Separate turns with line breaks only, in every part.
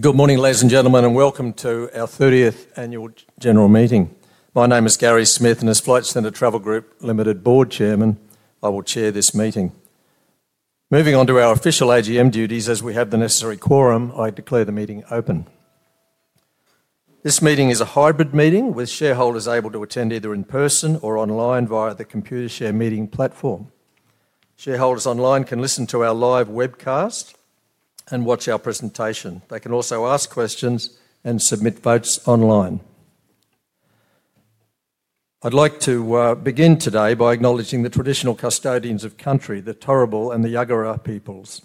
Good morning, ladies and gentlemen, and welcome to our 30th Annual General Meeting. My name is Gary Smith, and as Flight Centre Travel Group Board Chairman, I will chair this meeting. Moving on to our official AGM duties, as we have the necessary quorum, I declare the meeting open. This meeting is a hybrid meeting, with shareholders able to attend either in person or online via the Computershare meeting platform. Shareholders online can listen to our live webcast and watch our presentation. They can also ask questions and submit votes online. I'd like to begin today by acknowledging the traditional custodians of country, the Turrbal and the Yugara peoples.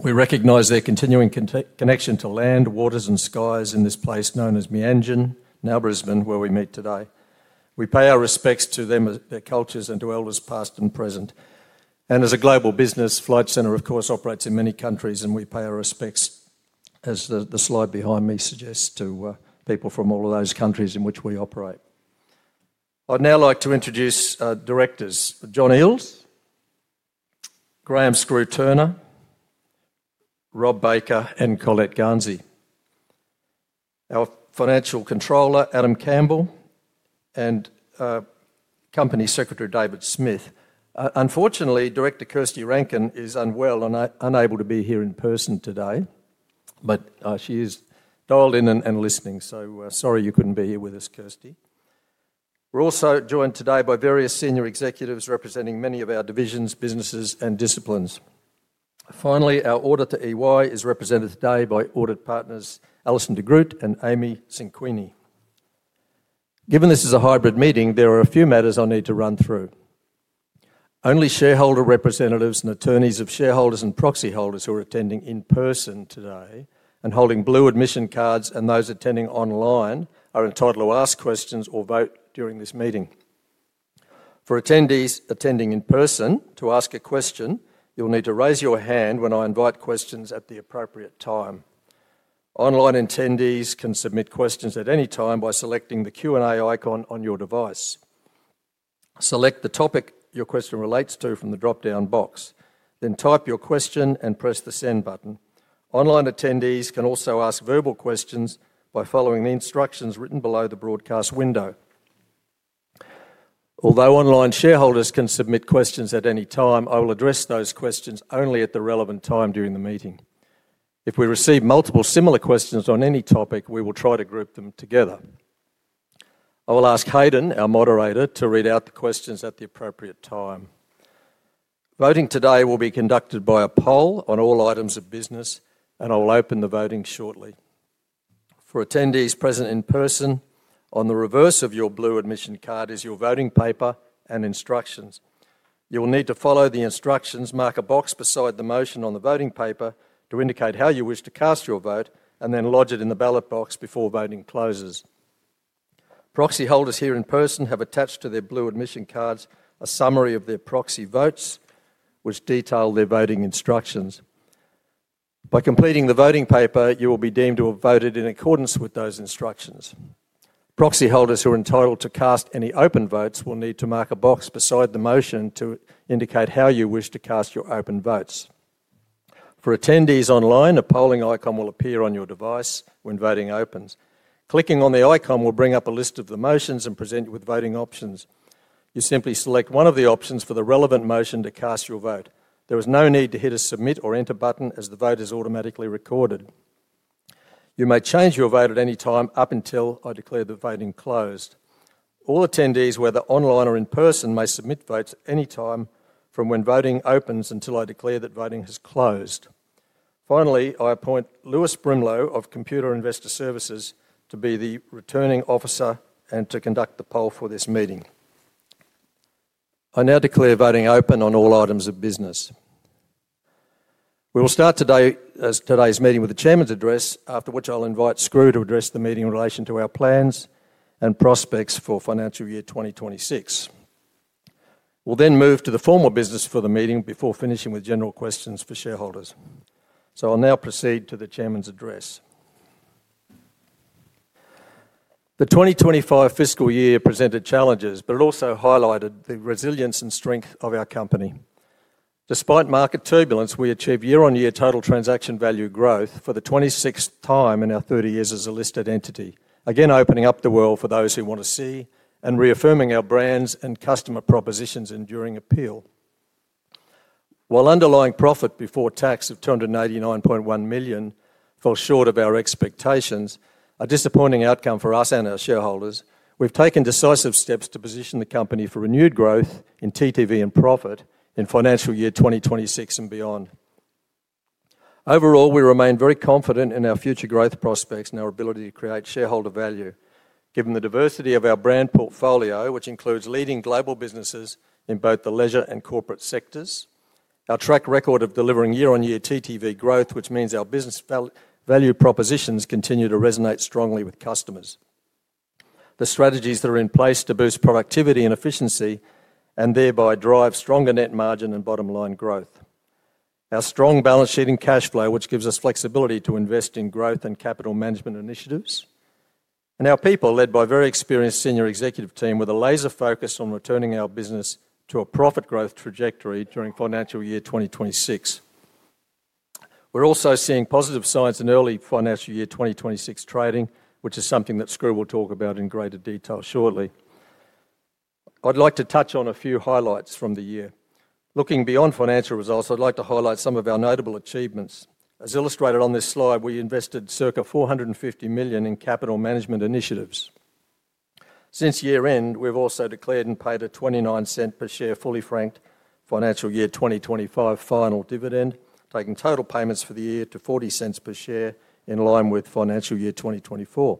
We recognize their continuing connection to land, waters, and skies in this place known as Meanjin, now Brisbane, where we meet today. We pay our respects to them, their cultures, and to elders past and present. As a global business, Flight Centre, of course, operates in many countries, and we pay our respects, as the slide behind me suggests, to people from all of those countries in which we operate. I would now like to introduce directors: John Eales, Graham "Skroo" Turner, Rob Baker, and Colette Garnsey. Our Financial Controller, Adam Campbell, and Company Secretary, David Smith. Unfortunately, Director Kirsty Rankin is unwell and unable to be here in person today, but she is dialed in and listening, so sorry you could not be here with us, Kirsty. We are also joined today by various senior executives representing many of our divisions, businesses, and disciplines. Finally, our auditor, EY, is represented today by audit partners, Alison de Groot and Amy Cinquini. Given this is a hybrid meeting, there are a few matters I need to run through. Only shareholder representatives and attorneys of shareholders and proxy holders who are attending in person today, and holding blue admission cards and those attending online, are entitled to ask questions or vote during this meeting. For attendees attending in person to ask a question, you'll need to raise your hand when I invite questions at the appropriate time. Online attendees can submit questions at any time by selecting the Q&A icon on your device. Select the topic your question relates to from the drop-down box, then type your question and press the send button. Online attendees can also ask verbal questions by following the instructions written below the broadcast window. Although online shareholders can submit questions at any time, I will address those questions only at the relevant time during the meeting. If we receive multiple similar questions on any topic, we will try to group them together. I will ask Haydn, our moderator, to read out the questions at the appropriate time. Voting today will be conducted by a poll on all items of business, and I will open the voting shortly. For attendees present in person, on the reverse of your blue admission card is your voting paper and instructions. You will need to follow the instructions, mark a box beside the motion on the voting paper to indicate how you wish to cast your vote, and then lodge it in the ballot box before voting closes. Proxy holders here in person have attached to their blue admission cards a summary of their proxy votes, which detail their voting instructions. By completing the voting paper, you will be deemed to have voted in accordance with those instructions. Proxy holders who are entitled to cast any open votes will need to mark a box beside the motion to indicate how you wish to cast your open votes. For attendees online, a polling icon will appear on your device when voting opens. Clicking on the icon will bring up a list of the motions and present you with voting options. You simply select one of the options for the relevant motion to cast your vote. There is no need to hit a submit or enter button, as the vote is automatically recorded. You may change your vote at any time up until I declare the voting closed. All attendees, whether online or in person, may submit votes at any time from when voting opens until I declare that voting has closed. Finally, I appoint Lewis Brimelow of Computershare to be the returning officer and to conduct the poll for this meeting. I now declare voting open on all items of business. We will start today's meeting with the Chairman's address, after which I'll invite Skroo to address the meeting in relation to our plans and prospects for financial year 2026. We will then move to the formal business for the meeting before finishing with general questions for shareholders. I will now proceed to the Chairman's address. The 2025 fiscal year presented challenges, but it also highlighted the resilience and strength of our company. Despite market turbulence, we achieved year-on-year total transaction value growth for the 26th time in our 30 years as a listed entity, again opening up the world for those who want to see and reaffirming our brands and customer propositions' enduring appeal. While underlying profit before tax of 289.1 million fell short of our expectations, a disappointing outcome for us and our shareholders, we have taken decisive steps to position the company for renewed growth in TTV and profit in financial year 2026 and beyond. Overall, we remain very confident in our future growth prospects and our ability to create shareholder value, given the diversity of our brand portfolio, which includes leading global businesses in both the leisure and corporate sectors. Our track record of delivering year-on-year TTV growth, which means our business value propositions continue to resonate strongly with customers. The strategies that are in place to boost productivity and efficiency and thereby drive stronger net margin and bottom line growth. Our strong balance sheet and cash flow, which gives us flexibility to invest in growth and capital management initiatives. Our people, led by a very experienced senior executive team, with a laser focus on returning our business to a profit growth trajectory during financial year 2026. We're also seeing positive signs in early financial year 2026 trading, which is something that Skroo will talk about in greater detail shortly. I'd like to touch on a few highlights from the year. Looking beyond financial results, I'd like to highlight some of our notable achievements. As illustrated on this slide, we invested circa 450 million in capital management initiatives. Since year-end, we've also declared and paid a 0.29 per share fully franked financial year 2025 final dividend, taking total payments for the year to 0.40 per share in line with financial year 2024.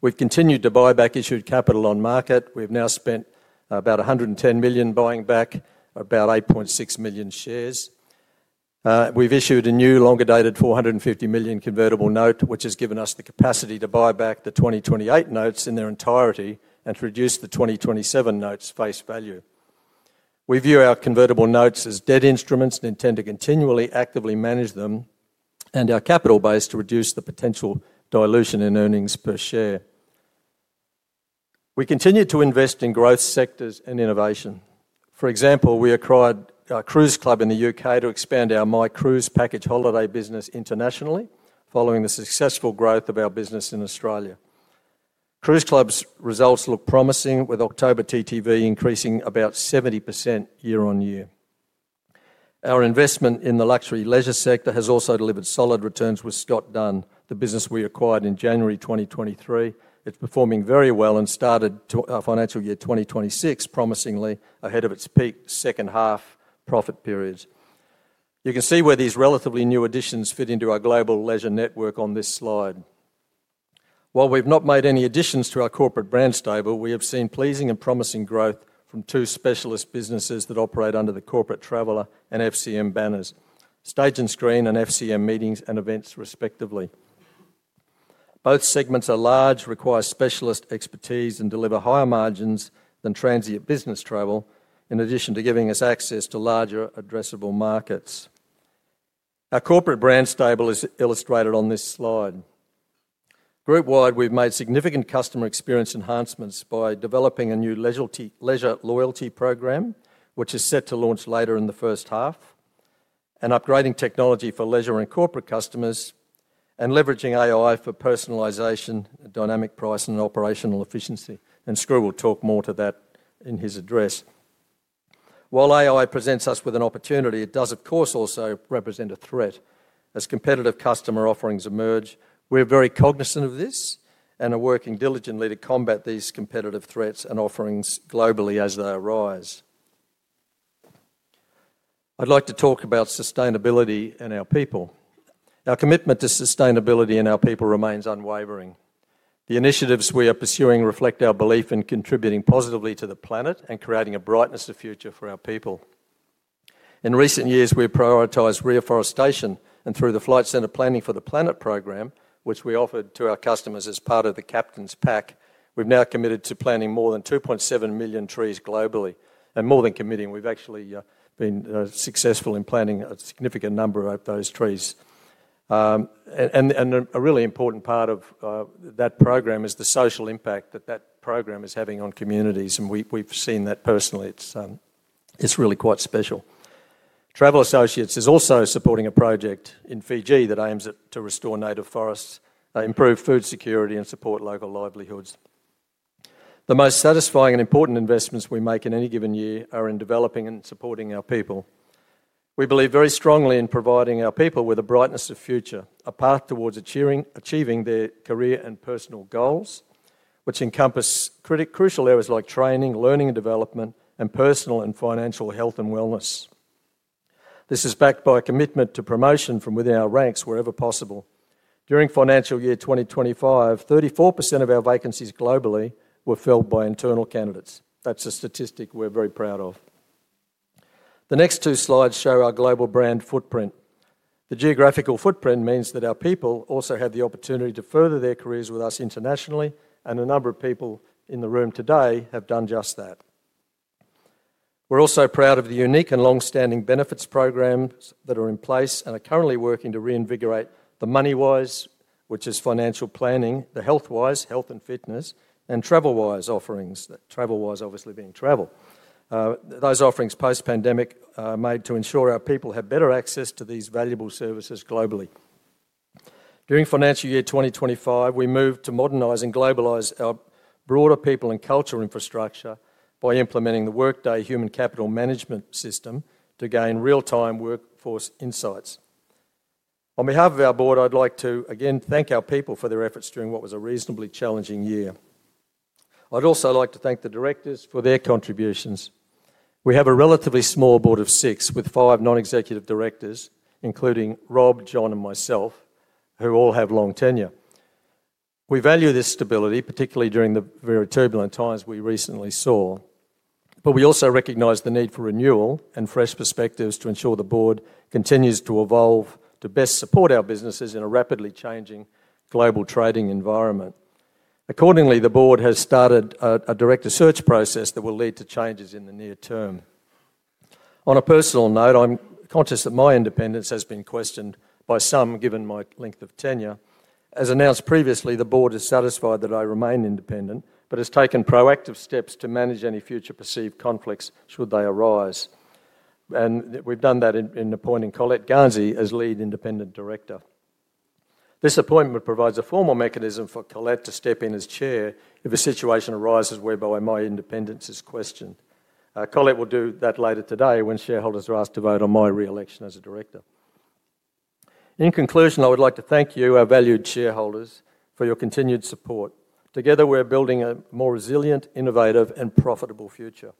We've continued to buy back issued capital on market. We've now spent about 110 million buying back about 8.6 million shares. We've issued a new, longer-dated 450 million convertible note, which has given us the capacity to buy back the 2028 notes in their entirety and to reduce the 2027 notes face value. We view our convertible notes as debt instruments and intend to continually actively manage them, and our capital base to reduce the potential dilution in earnings per share. We continue to invest in growth sectors and innovation. For example, we acquired Cruise Club in the U.K. to expand our My Cruise package holiday business internationally, following the successful growth of our business in Australia. Cruise Club's results look promising, with October TTV increasing about 70% year-on-year. Our investment in the luxury leisure sector has also delivered solid returns with Scott Dunn, the business we acquired in January 2023. It's performing very well and started our financial year 2026 promisingly ahead of its peak second half profit periods. You can see where these relatively new additions fit into our global leisure network on this slide. While we've not made any additions to our corporate brand stable, we have seen pleasing and promising growth from two specialist businesses that operate under the Corporate Traveller and FCM banners: Stage & Screen and FCM Meetings & Events, respectively. Both segments are large, require specialist expertise, and deliver higher margins than transient business travel, in addition to giving us access to larger, addressable markets. Our corporate brand stable is illustrated on this slide. Group-wide, we've made significant customer experience enhancements by developing a new leisure loyalty program, which is set to launch later in the first half, and upgrading technology for leisure and corporate customers, and leveraging AI for personalisation, dynamic pricing, and operational efficiency. Skroo will talk more to that in his address. While AI presents us with an opportunity, it does, of course, also represent a threat. As competitive customer offerings emerge, we're very cognizant of this and are working diligently to combat these competitive threats and offerings globally as they arise. I'd like to talk about sustainability and our people. Our commitment to sustainability and our people remains unwavering. The initiatives we are pursuing reflect our belief in contributing positively to the planet and creating a brightness of future for our people. In recent years, we've prioritized reforestation, and through the Flight Centre Planning for the Planet program, which we offered to our customers as part of the Captain's Pack, we've now committed to planting more than 2.7 million trees globally. More than committing, we've actually been successful in planting a significant number of those trees. A really important part of that program is the social impact that that program is having on communities, and we've seen that personally. It's really quite special. Travel Associates is also supporting a project in Fiji that aims to restore native forests, improve food security, and support local livelihoods. The most satisfying and important investments we make in any given year are in developing and supporting our people. We believe very strongly in providing our people with a brightness of future, a path towards achieving their career and personal goals, which encompass crucial areas like training, learning and development, and personal and financial health and wellness. This is backed by a commitment to promotion from within our ranks wherever possible. During financial year 2025, 34% of our vacancies globally were filled by internal candidates. That's a statistic we're very proud of. The next two slides show our global brand footprint. The geographical footprint means that our people also have the opportunity to further their careers with us internationally, and a number of people in the room today have done just that. We're also proud of the unique and long-standing benefits programs that are in place and are currently working to reinvigorate the money-wise, which is financial planning, the health-wise, health and fitness, and travel-wise offerings. Travel-wise, obviously, being travel. Those offerings post-pandemic are made to ensure our people have better access to these valuable services globally. During financial year 2025, we moved to modernise and globalise our broader people and culture infrastructure by implementing the Workday Human Capital Management system to gain real-time workforce insights. On behalf of our board, I'd like to again thank our people for their efforts during what was a reasonably challenging year. I'd also like to thank the directors for their contributions. We have a relatively small board of six with five non-executive directors, including Rob, John, and myself, who all have long tenure. We value this stability, particularly during the very turbulent times we recently saw. We also recognise the need for renewal and fresh perspectives to ensure the board continues to evolve to best support our businesses in a rapidly changing global trading environment. Accordingly, the board has started a director search process that will lead to changes in the near term. On a personal note, I'm conscious that my independence has been questioned by some, given my length of tenure. As announced previously, the board is satisfied that I remain independent, but has taken proactive steps to manage any future perceived conflicts should they arise. We have done that in appointing Colette Garnsey as lead independent director. This appointment provides a formal mechanism for Colette to step in as Chair if a situation arises whereby my independence is questioned. Colette will do that later today when shareholders are asked to vote on my re-election as a director. In conclusion, I would like to thank you, our valued shareholders, for your continued support. Together, we're building a more resilient, innovative, and profitable future.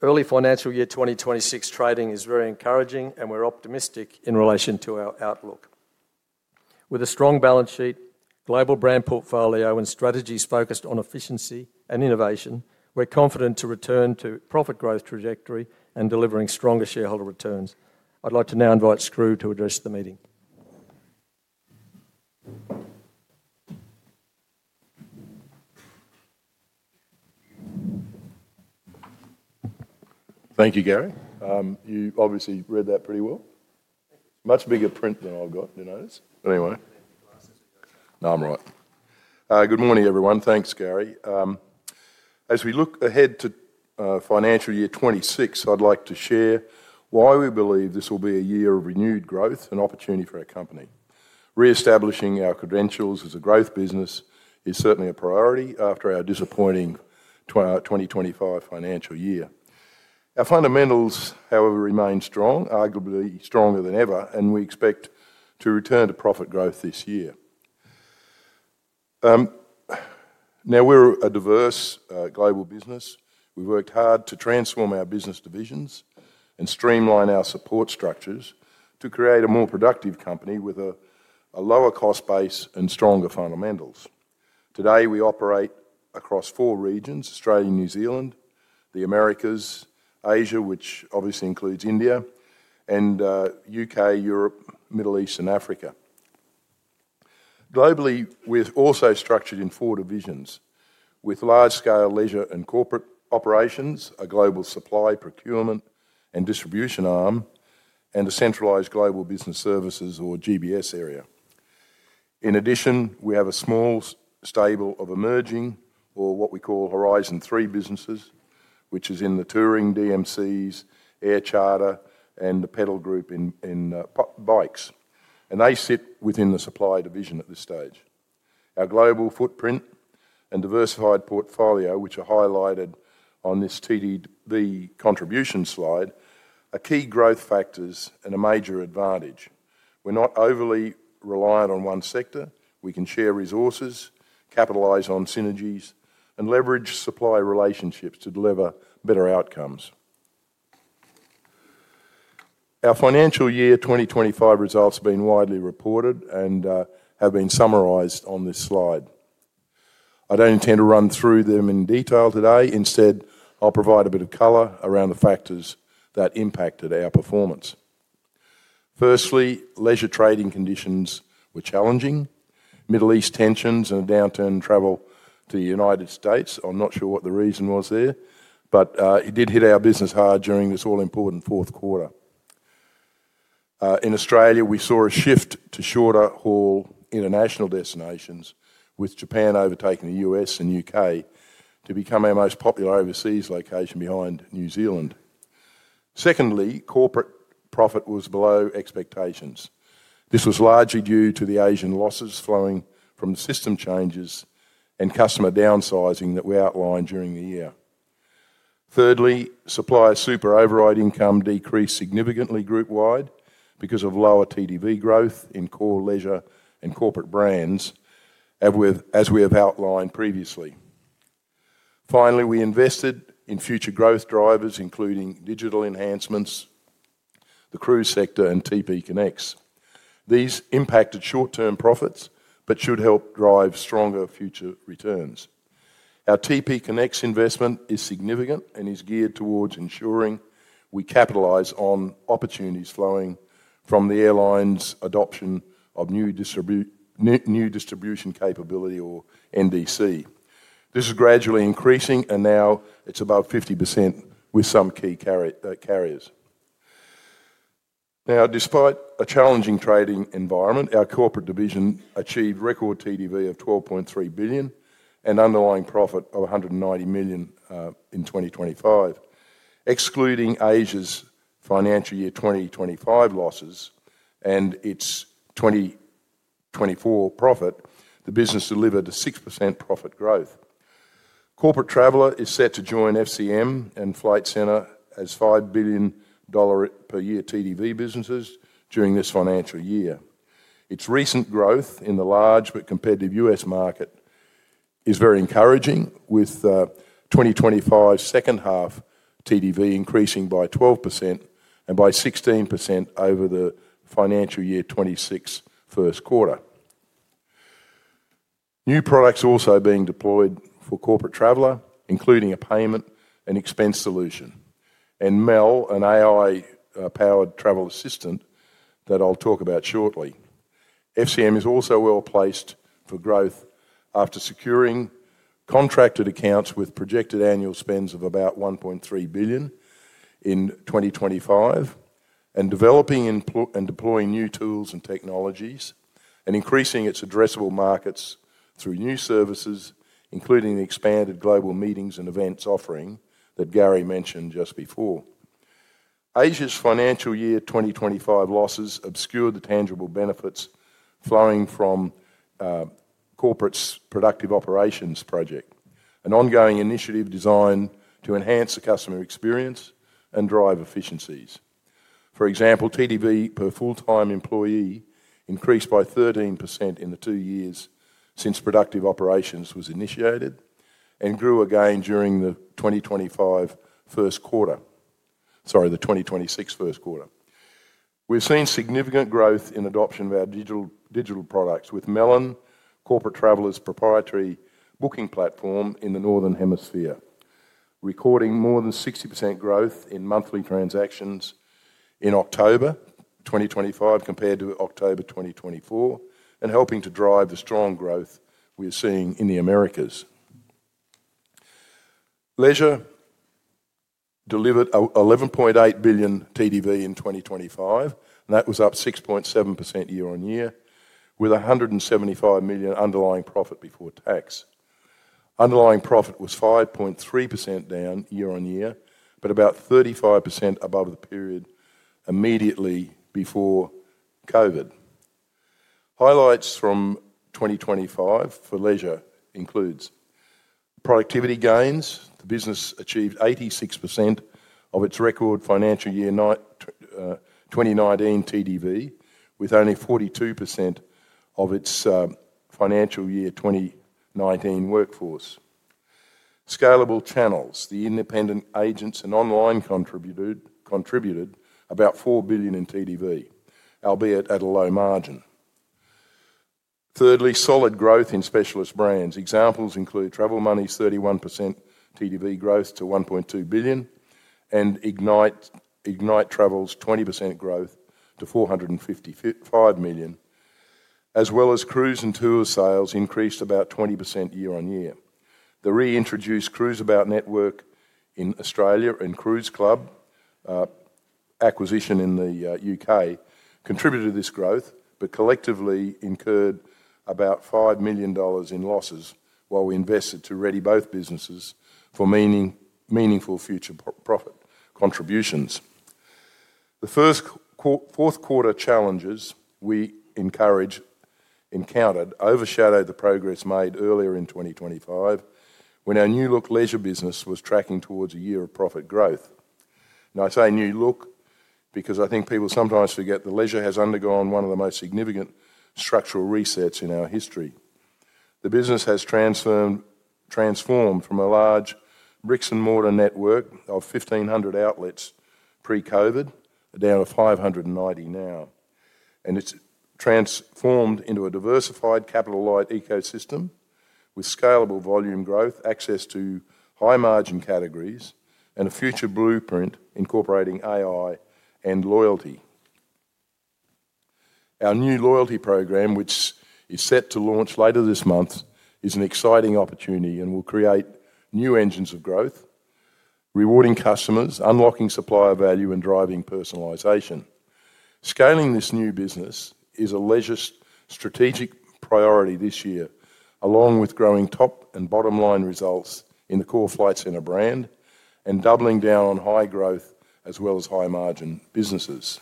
Early financial year 2026 trading is very encouraging, and we're optimistic in relation to our outlook. With a strong balance sheet, global brand portfolio, and strategies focused on efficiency and innovation, we're confident to return to profit growth trajectory and delivering stronger shareholder returns. I'd like to now invite Skroo to address the meeting.
Thank you, Gary. You obviously read that pretty well. Much bigger print than I've got, you notice. Anyway. No, I'm right. Good morning, everyone. Thanks, Gary. As we look ahead to financial year 2026, I'd like to share why we believe this will be a year of renewed growth and opportunity for our company. Re-establishing our credentials as a growth business is certainly a priority after our disappointing 2025 financial year. Our fundamentals, however, remain strong, arguably stronger than ever, and we expect to return to profit growth this year. Now, we're a diverse global business. We've worked hard to transform our business divisions and streamline our support structures to create a more productive company with a lower cost base and stronger fundamentals. Today, we operate across four regions: Australia, New Zealand, the Americas, Asia, which obviously includes India, and U.K., Europe, Middle East, and Africa. Globally, we're also structured in four divisions, with large-scale leisure and corporate operations, a global supply, procurement, and distribution arm, and a centralised Global Business Services, or GBS, area. In addition, we have a small stable of emerging, or what we call Horizon 3 businesses, which is in the touring, DMCs, Air Charter, and the Pedal Group in bikes. They sit within the supply division at this stage. Our global footprint and diversified portfolio, which are highlighted on this TTV contribution slide, are key growth factors and a major advantage. We're not overly reliant on one sector. We can share resources, capitalize on synergies, and leverage supply relationships to deliver better outcomes. Our financial year 2025 results have been widely reported and have been summarized on this slide. I don't intend to run through them in detail today. Instead, I'll provide a bit of color around the factors that impacted our performance. Firstly, leisure trading conditions were challenging. Middle East tensions and a downturn in travel to the United States. I'm not sure what the reason was there, but it did hit our business hard during this all-important fourth quarter. In Australia, we saw a shift to shorter-haul international destinations, with Japan overtaking the U.S. and U.K. to become our most popular overseas location behind New Zealand. Secondly, corporate profit was below expectations. This was largely due to the Asian losses flowing from system changes and customer downsizing that we outlined during the year. Thirdly, supplier super override income decreased significantly group-wide because of lower TTV growth in core leisure and corporate brands, as we have outlined previously. Finally, we invested in future growth drivers, including digital enhancements, the cruise sector, and TP Connects. These impacted short-term profits but should help drive stronger future returns. Our TP Connects investment is significant and is geared towards ensuring we capitalise on opportunities flowing from the airlines' adoption of New Distribution Capability, or NDC. This is gradually increasing, and now it's above 50% with some key carriers. Now, despite a challenging trading environment, our corporate division achieved record TTV of 12.3 billion and underlying profit of 190 million in 2025. Excluding Asia's financial year 2025 losses and its 2024 profit, the business delivered a 6% profit growth. Corporate Traveller is set to join FCM and Flight Centre as 5 billion dollar per year TTV businesses during this financial year. Its recent growth in the large but competitive U.S. market is very encouraging, with 2025 second half TTV increasing by 12% and by 16% over the financial year 2026 first quarter. New products are also being deployed for Corporate Traveller, including a payment and expense solution, and MEL, an AI-powered travel assistant that I'll talk about shortly. FCM is also well placed for growth after securing contracted accounts with projected annual spends of about 1.3 billion in 2025 and developing and deploying new tools and technologies, and increasing its addressable markets through new services, including the expanded global meetings and events offering that Gary mentioned just before. Asia's financial year 2025 losses obscured the tangible benefits flowing from Corporate's Productive Operations project, an ongoing initiative designed to enhance the customer experience and drive efficiencies. For example, TTV per full-time employee increased by 13% in the two years since Productive Operations was initiated and grew again during the 2025 first quarter, sorry, the 2026 first quarter. We've seen significant growth in adoption of our digital products with Melon, Corporate Traveller's proprietary booking platform in the northern hemisphere, recording more than 60% growth in monthly transactions in October 2025 compared to October 2024, and helping to drive the strong growth we're seeing in the Americas. Leisure delivered 11.8 billion TTV in 2025, and that was up 6.7% year-on-year, with 175 million underlying profit before tax. Underlying profit was 5.3% down year-on-year, but about 35% above the period immediately before COVID. Highlights from 2025 for leisure include productivity gains. The business achieved 86% of its record financial year 2019 TTV, with only 42% of its financial year 2019 workforce. Scalable channels, the independent agents and online contributed about 4 billion in TTV, albeit at a low margin. Thirdly, solid growth in specialist brands. Examples include Travel Money's 31% TTV growth to 1.2 billion and Ignite Travel's 20% growth to 455 million, as well as cruise and tour sales increased about 20% year-on-year. The reintroduced Cruise About network in Australia and Cruise Club acquisition in the U.K. contributed to this growth, but collectively incurred about 5 million dollars in losses while we invested to ready both businesses for meaningful future profit contributions. The first fourth quarter challenges we encountered overshadowed the progress made earlier in 2025 when our New Look leisure business was tracking towards a year of profit growth. I say New Look because I think people sometimes forget that leisure has undergone one of the most significant structural resets in our history. The business has transformed from a large bricks-and-mortar network of 1,500 outlets pre-COVID down to 590 now. It has transformed into a diversified capital-light ecosystem with scalable volume growth, access to high-margin categories, and a future blueprint incorporating AI and loyalty. Our new loyalty program, which is set to launch later this month, is an exciting opportunity and will create new engines of growth, rewarding customers, unlocking supplier value, and driving personalization. Scaling this new business is a leisure strategic priority this year, along with growing top and bottom line results in the core Flight Centre brand and doubling down on high-growth as well as high-margin businesses.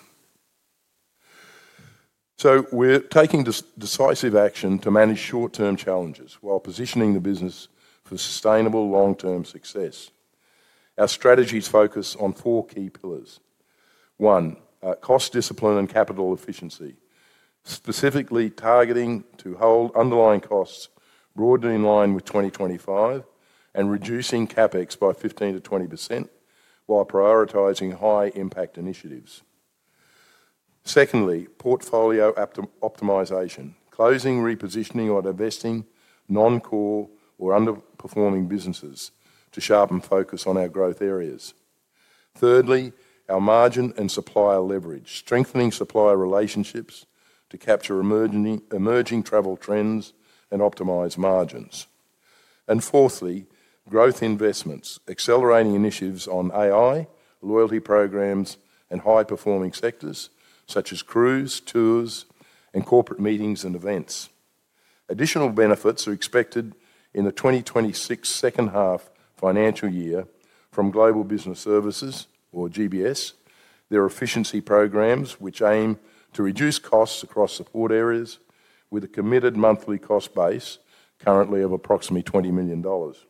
We are taking decisive action to manage short-term challenges while positioning the business for sustainable long-term success. Our strategies focus on four key pillars. One, cost discipline and capital efficiency, specifically targeting to hold underlying costs broadly in line with 2025 and reducing CapEx by 15%-20% while prioritizing high-impact initiatives. Secondly, portfolio optimisation, closing, repositioning, or divesting non-core or underperforming businesses to sharpen focus on our growth areas. Thirdly, our margin and supplier leverage, strengthening supplier relationships to capture emerging travel trends and optimise margins. Fourthly, growth investments, accelerating initiatives on AI, loyalty programs, and high-performing sectors such as cruise, tours, and corporate meetings and events. Additional benefits are expected in the 2026 second half financial year from Global Business Services, or GBS, their efficiency programs, which aim to reduce costs across support areas with a committed monthly cost base currently of approximately 20 million dollars.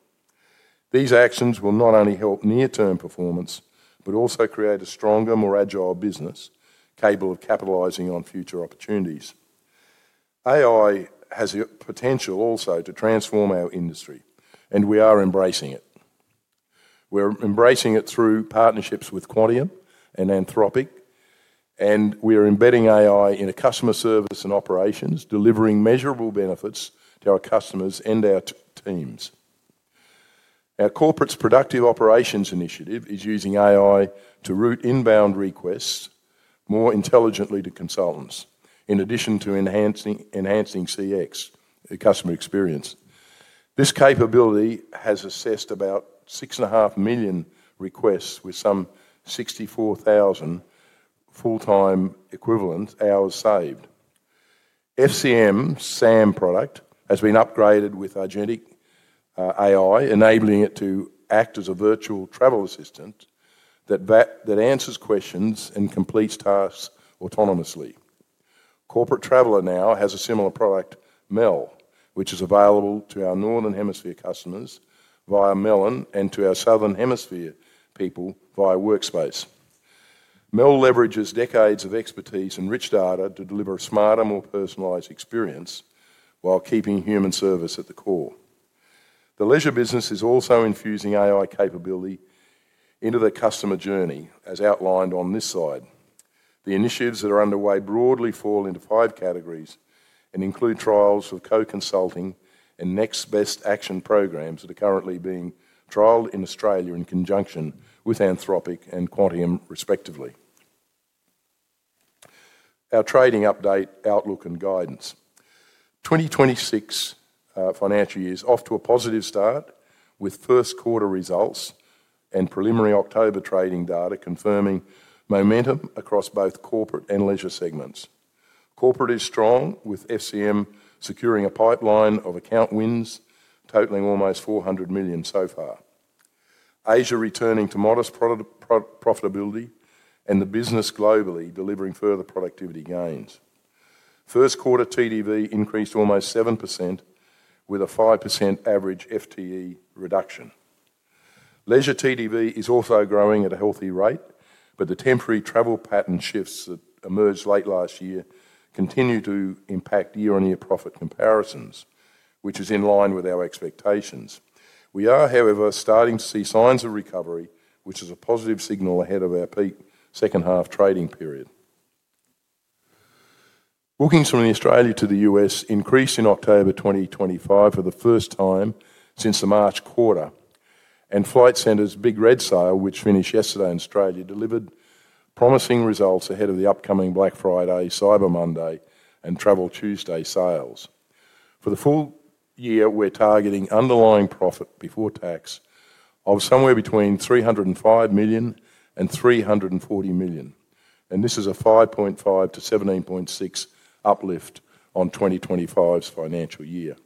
These actions will not only help near-term performance but also create a stronger, more agile business capable of capitalising on future opportunities. AI has the potential also to transform our industry, and we are embracing it. We're embracing it through partnerships with Quantium and Anthropic, and we are embedding AI in customer service and operations, delivering measurable benefits to our customers and our teams. Our Corporate's Productive Operations initiative is using AI to route inbound requests more intelligently to consultants, in addition to enhancing CX, the customer experience. This capability has assessed about 6.5 million requests with some 64,000 full-time equivalent hours saved. FCM's SAM product has been upgraded with identic AI, enabling it to act as a virtual travel assistant that answers questions and completes tasks autonomously. Corporate Traveller now has a similar product, MEL, which is available to our northern hemisphere customers via Melon and to our southern hemisphere people via Workspace. MEL leverages decades of expertise and rich data to deliver a smarter, more personalised experience while keeping human service at the core. The leisure business is also infusing AI capability into the customer journey, as outlined on this slide. The initiatives that are underway broadly fall into five categories and include trials of co-consulting and next best action programs that are currently being trialed in Australia in conjunction with Anthropic and Quantium, respectively. Our trading update, outlook, and guidance. The 2026 financial year is off to a positive start with first quarter results and preliminary October trading data confirming momentum across both corporate and leisure segments. Corporate is strong, with FCM securing a pipeline of account wins, totaling almost 400 million so far. Asia returning to modest profitability and the business globally delivering further productivity gains. First quarter TTV increased almost 7% with a 5% average FTE reduction. Leisure TTV is also growing at a healthy rate, but the temporary travel pattern shifts that emerged late last year continue to impact year-on-year profit comparisons, which is in line with our expectations. We are, however, starting to see signs of recovery, which is a positive signal ahead of our peak second half trading period. Bookings from Australia to the U.S. increased in October 2025 for the first time since the March quarter, and Flight Centre's Big Red Sale, which finished yesterday in Australia, delivered promising results ahead of the upcoming Black Friday, Cyber Monday, and Travel Tuesday sales. For the full year, we're targeting underlying profit before tax of somewhere between 305 million and 340 million, and this is a 5.5%-17.6% uplift on 2025's financial year.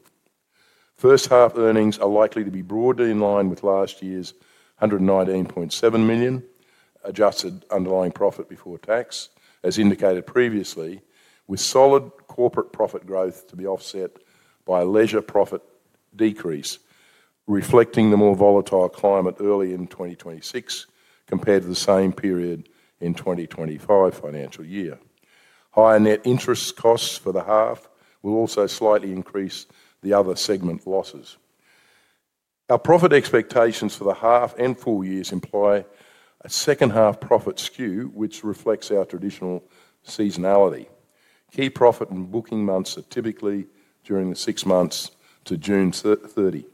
First half earnings are likely to be broadly in line with last year's 119.7 million adjusted underlying profit before tax, as indicated previously, with solid corporate profit growth to be offset by leisure profit decrease, reflecting the more volatile climate early in 2026 compared to the same period in 2025 financial year. Higher net interest costs for the half will also slightly increase the other segment losses. Our profit expectations for the half and full years imply a second half profit skew, which reflects our traditional seasonality. Key profit and booking months are typically during the six months to June 30.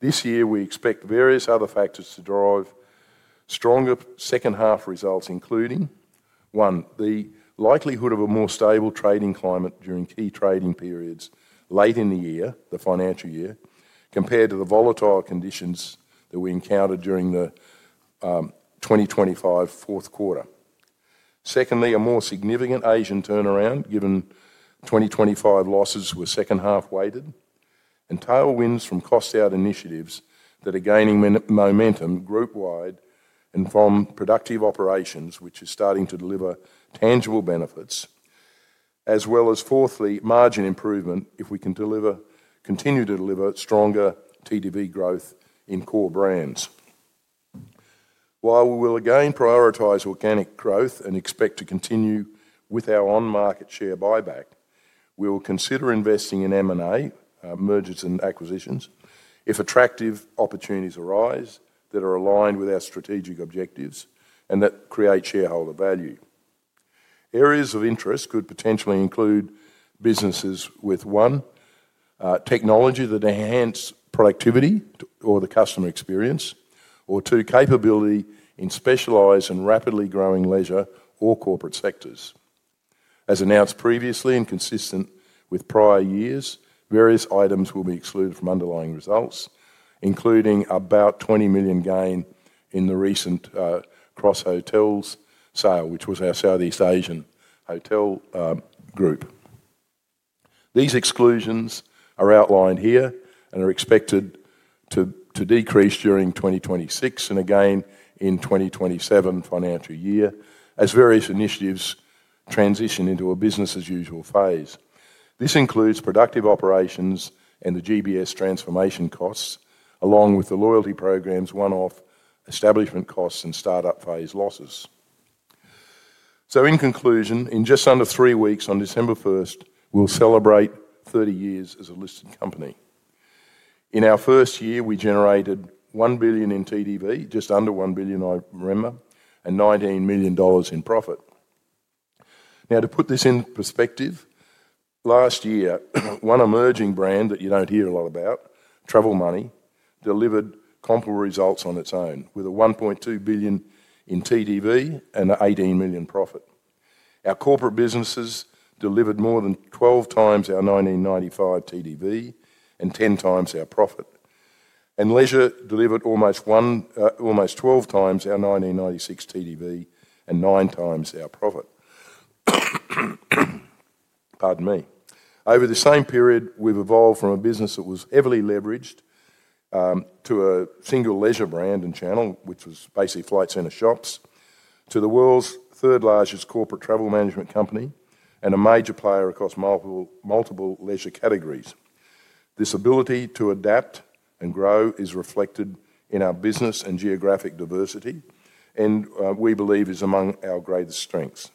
This year, we expect various other factors to drive stronger second half results, including: one, the likelihood of a more stable trading climate during key trading periods late in the year, the financial year, compared to the volatile conditions that we encountered during the 2025 fourth quarter. Secondly, a more significant Asian turnaround, given 2025 losses were second half weighted, and tailwinds from cost-out initiatives that are gaining momentum group-wide and from Productive Operations, which is starting to deliver tangible benefits, as well as, fourthly, margin improvement if we can continue to deliver stronger TTV growth in core brands. While we will again prioritize organic growth and expect to continue with our on-market share buyback, we will consider investing in M&A, mergers, and acquisitions if attractive opportunities arise that are aligned with our strategic objectives and that create shareholder value. Areas of interest could potentially include businesses with: one, technology that enhanced productivity or the customer experience, or two, capability in specialized and rapidly growing leisure or corporate sectors. As announced previously and consistent with prior years, various items will be excluded from underlying results, including about 20 million gain in the recent Cross Hotels sale, which was our Southeast Asian hotel group. These exclusions are outlined here and are expected to decrease during 2026 and again in 2027 financial year as various initiatives transition into a business-as-usual phase. This includes Productive Operations and the GBS transformation costs, along with the loyalty programs, one-off establishment costs, and start-up phase losses. In conclusion, in just under three weeks on December 1st, we'll celebrate 30 years as a listed company. In our first year, we generated 1 billion in TTV, just under 1 billion, I remember, and 19 million dollars in profit. Now, to put this into perspective, last year, one emerging brand that you do not hear a lot about, Travel Money, delivered comparable results on its own with 1.2 billion in TTV and an 18 million profit. Our corporate businesses delivered more than 12 times our 1995 TTV and 10 times our profit, and leisure delivered almost 12 times our 1996 TTV and 9 times our profit. Pardon me. Over the same period, we have evolved from a business that was heavily leveraged to a single leisure brand and channel, which was basically Flight Centre Shops, to the world's third-largest corporate travel management company and a major player across multiple leisure categories. This ability to adapt and grow is reflected in our business and geographic diversity, and we believe is among our greatest strengths.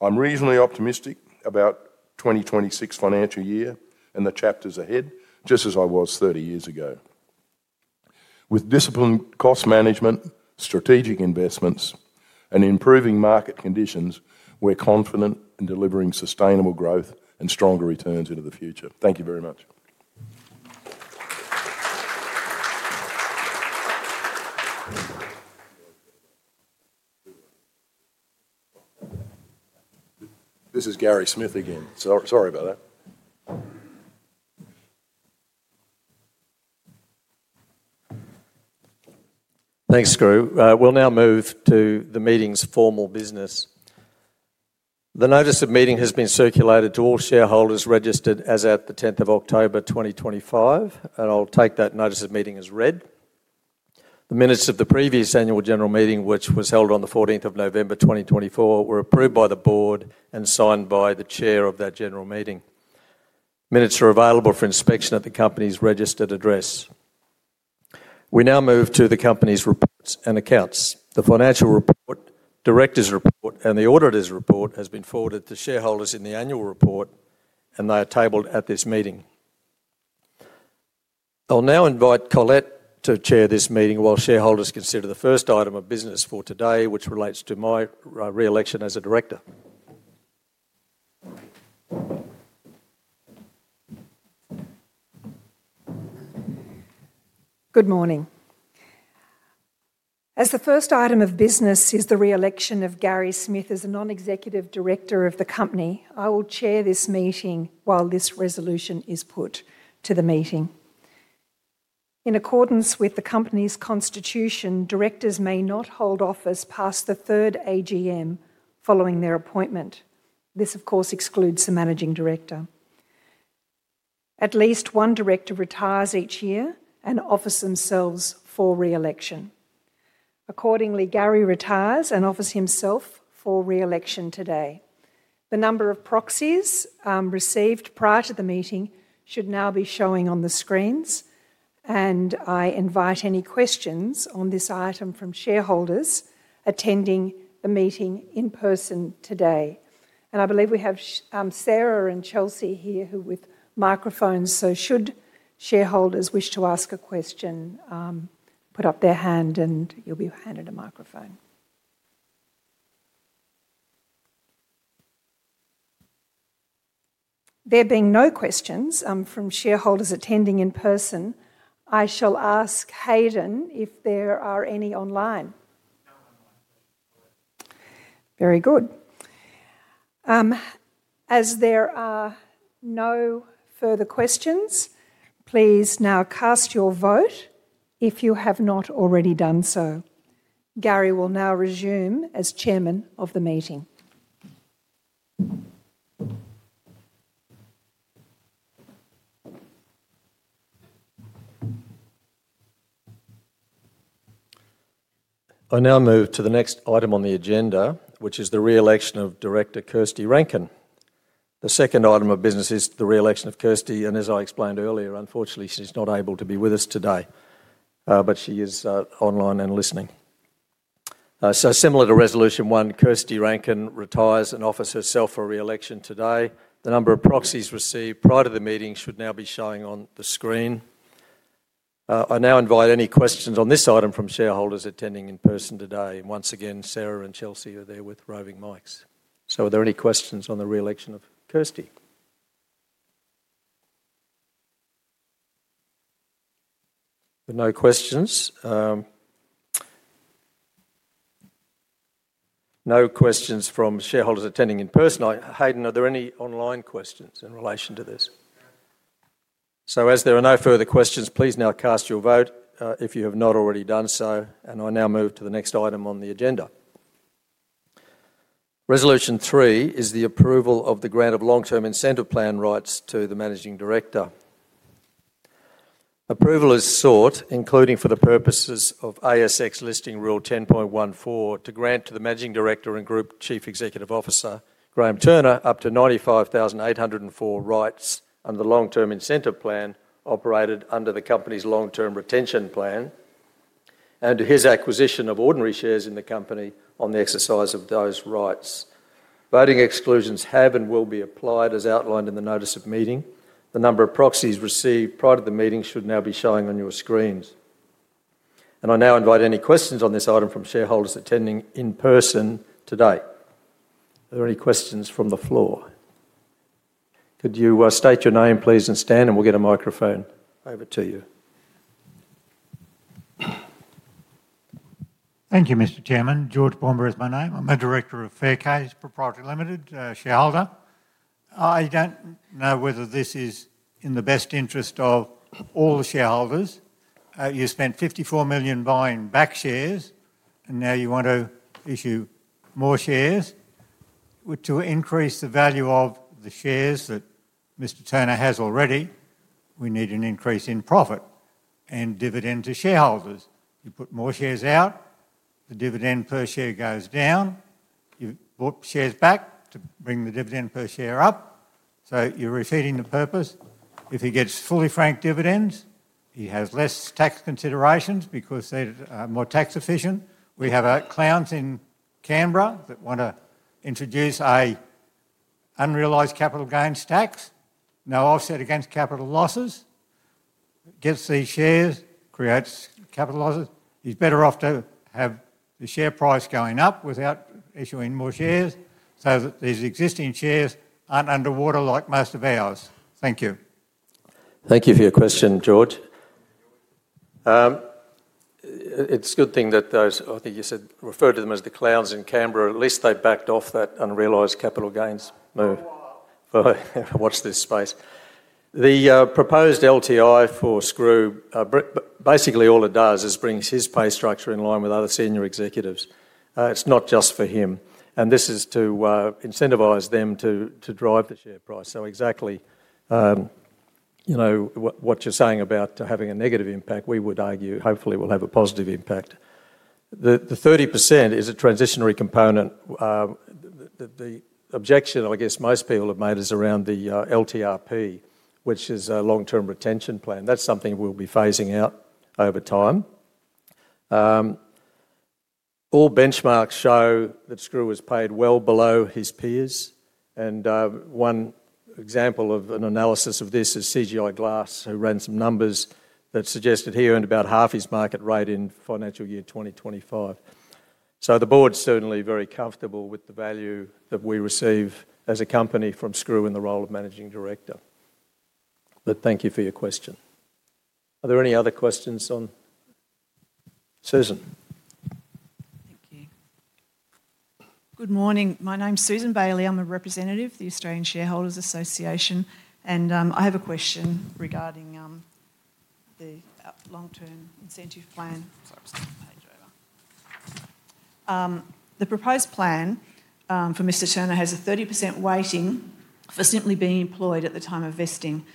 I'm reasonably optimistic about 2026 financial year and the chapters ahead, just as I was 30 years ago. With disciplined cost management, strategic investments, and improving market conditions, we're confident in delivering sustainable growth and stronger returns into the future. Thank you very much.
This is Gary Smith again. Sorry about that. Thanks, Skroo. We'll now move to the meeting's formal business. The notice of meeting has been circulated to all shareholders registered as at the 10th of October 2025, and I'll take that notice of meeting as read. The minutes of the previous annual general meeting, which was held on the 14th of November 2024, were approved by the board and signed by the chair of that general meeting. Minutes are available for inspection at the company's registered address. We now move to the company's reports and accounts. The financial report, director's report, and the auditor's report have been forwarded to shareholders in the annual report, and they are tabled at this meeting. I'll now invite Colette to chair this meeting while shareholders consider the first item of business for today, which relates to my re-election as a director.
Good morning. As the first item of business is the re-election of Gary Smith as a non-executive director of the company, I will chair this meeting while this resolution is put to the meeting. In accordance with the company's constitution, directors may not hold office past the third AGM following their appointment. This, of course, excludes the managing director. At least one director retires each year and offers themselves for re-election. Accordingly, Gary retires and offers himself for re-election today. The number of proxies received prior to the meeting should now be showing on the screens, and I invite any questions on this item from shareholders attending the meeting in person today. I believe we have Sarah and Chelsea here who are with microphones, so should shareholders wish to ask a question, put up their hand, and you'll be handed a microphone. There being no questions from shareholders attending in person, I shall ask Haydn if there are any online. Very good. As there are no further questions, please now cast your vote if you have not already done so. Gary will now resume as Chairman of the meeting.
I now move to the next item on the agenda, which is the re-election of Director Kirsty Rankin. The second item of business is the re-election of Kirsty, and as I explained earlier, unfortunately, she's not able to be with us today, but she is online and listening. So, similar to resolution one, Kirsty Rankin retires and offers herself for re-election today. The number of proxies received prior to the meeting should now be showing on the screen. I now invite any questions on this item from shareholders attending in person today. Once again, Sarah and Chelsea are there with roving mics. So, are there any questions on the re-election of Kirsty? No questions. No questions from shareholders attending in person. Haydn, are there any online questions in relation to this? So, as there are no further questions, please now cast your vote if you have not already done so, and I now move to the next item on the agenda. Resolution Three is the approval of the grant of long-term incentive plan rights to the Managing Director. Approval is sought, including for the purposes of ASX Listing Rule 10.14, to grant to the Managing Director and Group Chief Executive Officer, Graham Turner, up to 95,804 rights under the long-term incentive plan operated under the company's long-term retention plan and to his acquisition of ordinary shares in the company on the exercise of those rights. Voting exclusions have and will be applied as outlined in the notice of meeting. The number of proxies received prior to the meeting should now be showing on your screens. I now invite any questions on this item from shareholders attending in person today. Are there any questions from the floor? Could you state your name, please, and stand, and we'll get a microphone over to you.
Thank you, Mr. Chairman. George Bomber is my name. I'm a director of Faircase Proprietary Limited, shareholder. I don't know whether this is in the best interest of all the shareholders. You spent 54 million buying back shares, and now you want to issue more shares. To increase the value of the shares that Mr. Turner has already, we need an increase in profit and dividend to shareholders. You put more shares out, the dividend per share goes down. You bought shares back to bring the dividend per share up. You're repeating the purpose. If he gets fully franked dividends, he has less tax considerations because they're more tax efficient. We have clowns in Canberra that want to introduce an unrealized capital gains tax, now offset against capital losses. Gets these shares, creates capital losses. He's better off to have the share price going up without issuing more shares so that these existing shares aren't underwater like most of ours. Thank you.
Thank you for your question, George. It's a good thing that those, I think you said, referred to them as the clowns in Canberra. At least they backed off that unrealized capital gains move. Watch this space. The proposed LTI for Skroo, basically all it does is brings his pay structure in line with other senior executives. It's not just for him. This is to incentivize them to drive the share price. Exactly what you're saying about having a negative impact, we would argue, hopefully, will have a positive impact. The 30% is a transitionary component. The objection, I guess, most people have made is around the LTRP, which is a long-term retention plan. That's something we'll be phasing out over time. All benchmarks show that Skroo has paid well below his peers. One example of an analysis of this is CGI Glass, who ran some numbers that suggested he earned about half his market rate in financial year 2025. The board's certainly very comfortable with the value that we receive as a company from Skroo in the role of Managing Director. Thank you for your question. Are there any other questions on? Susan.
Thank you. Good morning. My name's Susan Bailey. I'm a representative of the Australian Shareholders Association, and I have a question regarding the long-term incentive plan. Sorry, I'm just going to page over. The proposed plan for Mr. Turner has a 30% weighting for simply being employed at the time of vesting.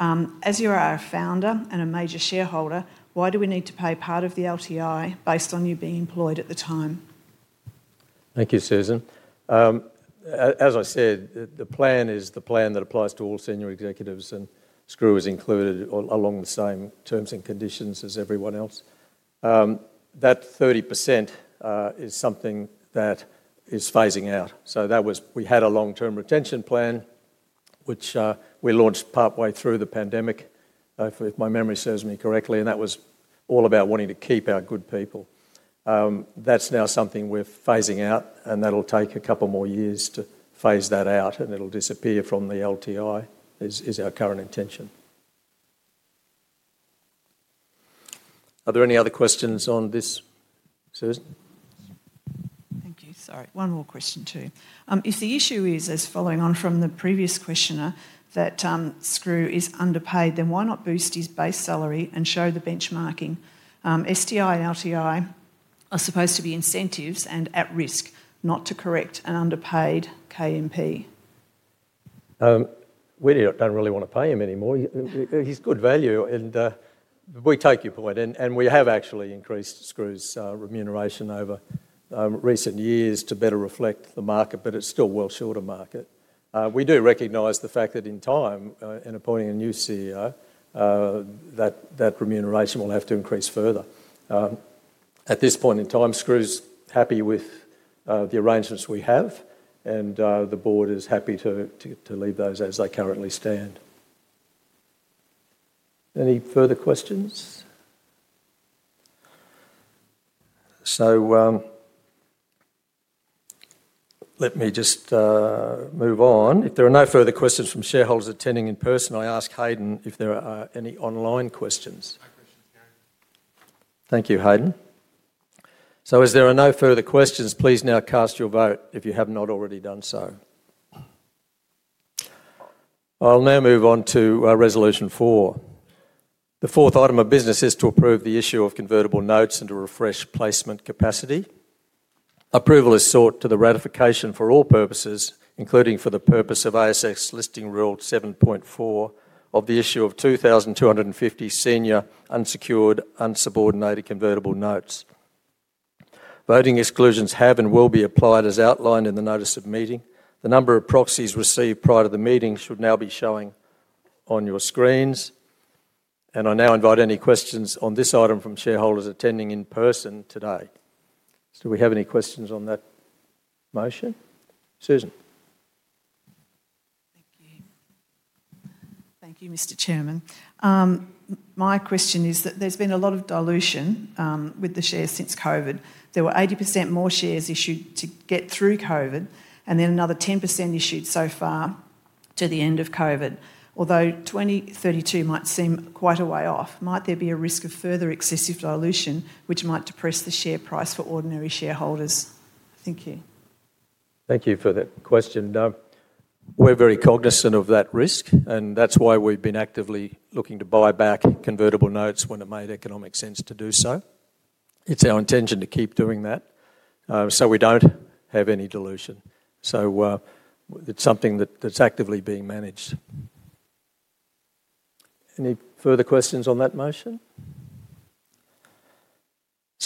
As you are our founder and a major shareholder, why do we need to pay part of the LTI based on you being employed at the time?
Thank you, Susan. As I said, the plan is the plan that applies to all senior executives, and Skroo is included along the same terms and conditions as everyone else. That 30% is something that is phasing out. We had a long-term retention plan, which we launched partway through the pandemic, if my memory serves me correctly, and that was all about wanting to keep our good people. That is now something we are phasing out, and that will take a couple more years to phase that out, and it will disappear from the LTI, is our current intention. Are there any other questions on this, Susan?
Thank you. Sorry, one more question too. If the issue is, as following on from the previous questioner, that Skroo is underpaid, then why not boost his base salary and show the benchmarking? STI and LTI are supposed to be incentives and at risk, not to correct an underpaid KMP.
We do not really want to pay him anymore. He is good value, and we take your point. We have actually increased Skroo's remuneration over recent years to better reflect the market, but it is still well short of market. We do recognize the fact that in time, in appointing a new CEO, that remuneration will have to increase further. At this point in time, Skroo is happy with the arrangements we have, and the board is happy to leave those as they currently stand. Any further questions? Let me just move on. If there are no further questions from shareholders attending in person, I ask Haydn if there are any online questions. Thank you, Haydn. As there are no further questions, please now cast your vote if you have not already done so. I'll now move on to resolution four. The fourth item of business is to approve the issue of convertible notes and to refresh placement capacity. Approval is sought to the ratification for all purposes, including for the purpose of ASX Listing Rule 7.4 of the issue of 2,250 senior unsecured, unsubordinated convertible notes. Voting exclusions have and will be applied as outlined in the notice of meeting. The number of proxies received prior to the meeting should now be showing on your screens. I now invite any questions on this item from shareholders attending in person today. Do we have any questions on that motion? Susan.
Thank you. Thank you, Mr. Chairman. My question is that there's been a lot of dilution with the shares since COVID. There were 80% more shares issued to get through COVID, and then another 10% issued so far to the end of COVID. Although 2032 might seem quite a way off, might there be a risk of further excessive dilution, which might depress the share price for ordinary shareholders? Thank you.
Thank you for that question. We're very cognizant of that risk, and that's why we've been actively looking to buy back convertible notes when it made economic sense to do so. It's our intention to keep doing that so we don't have any dilution. It's something that's actively being managed. Any further questions on that motion?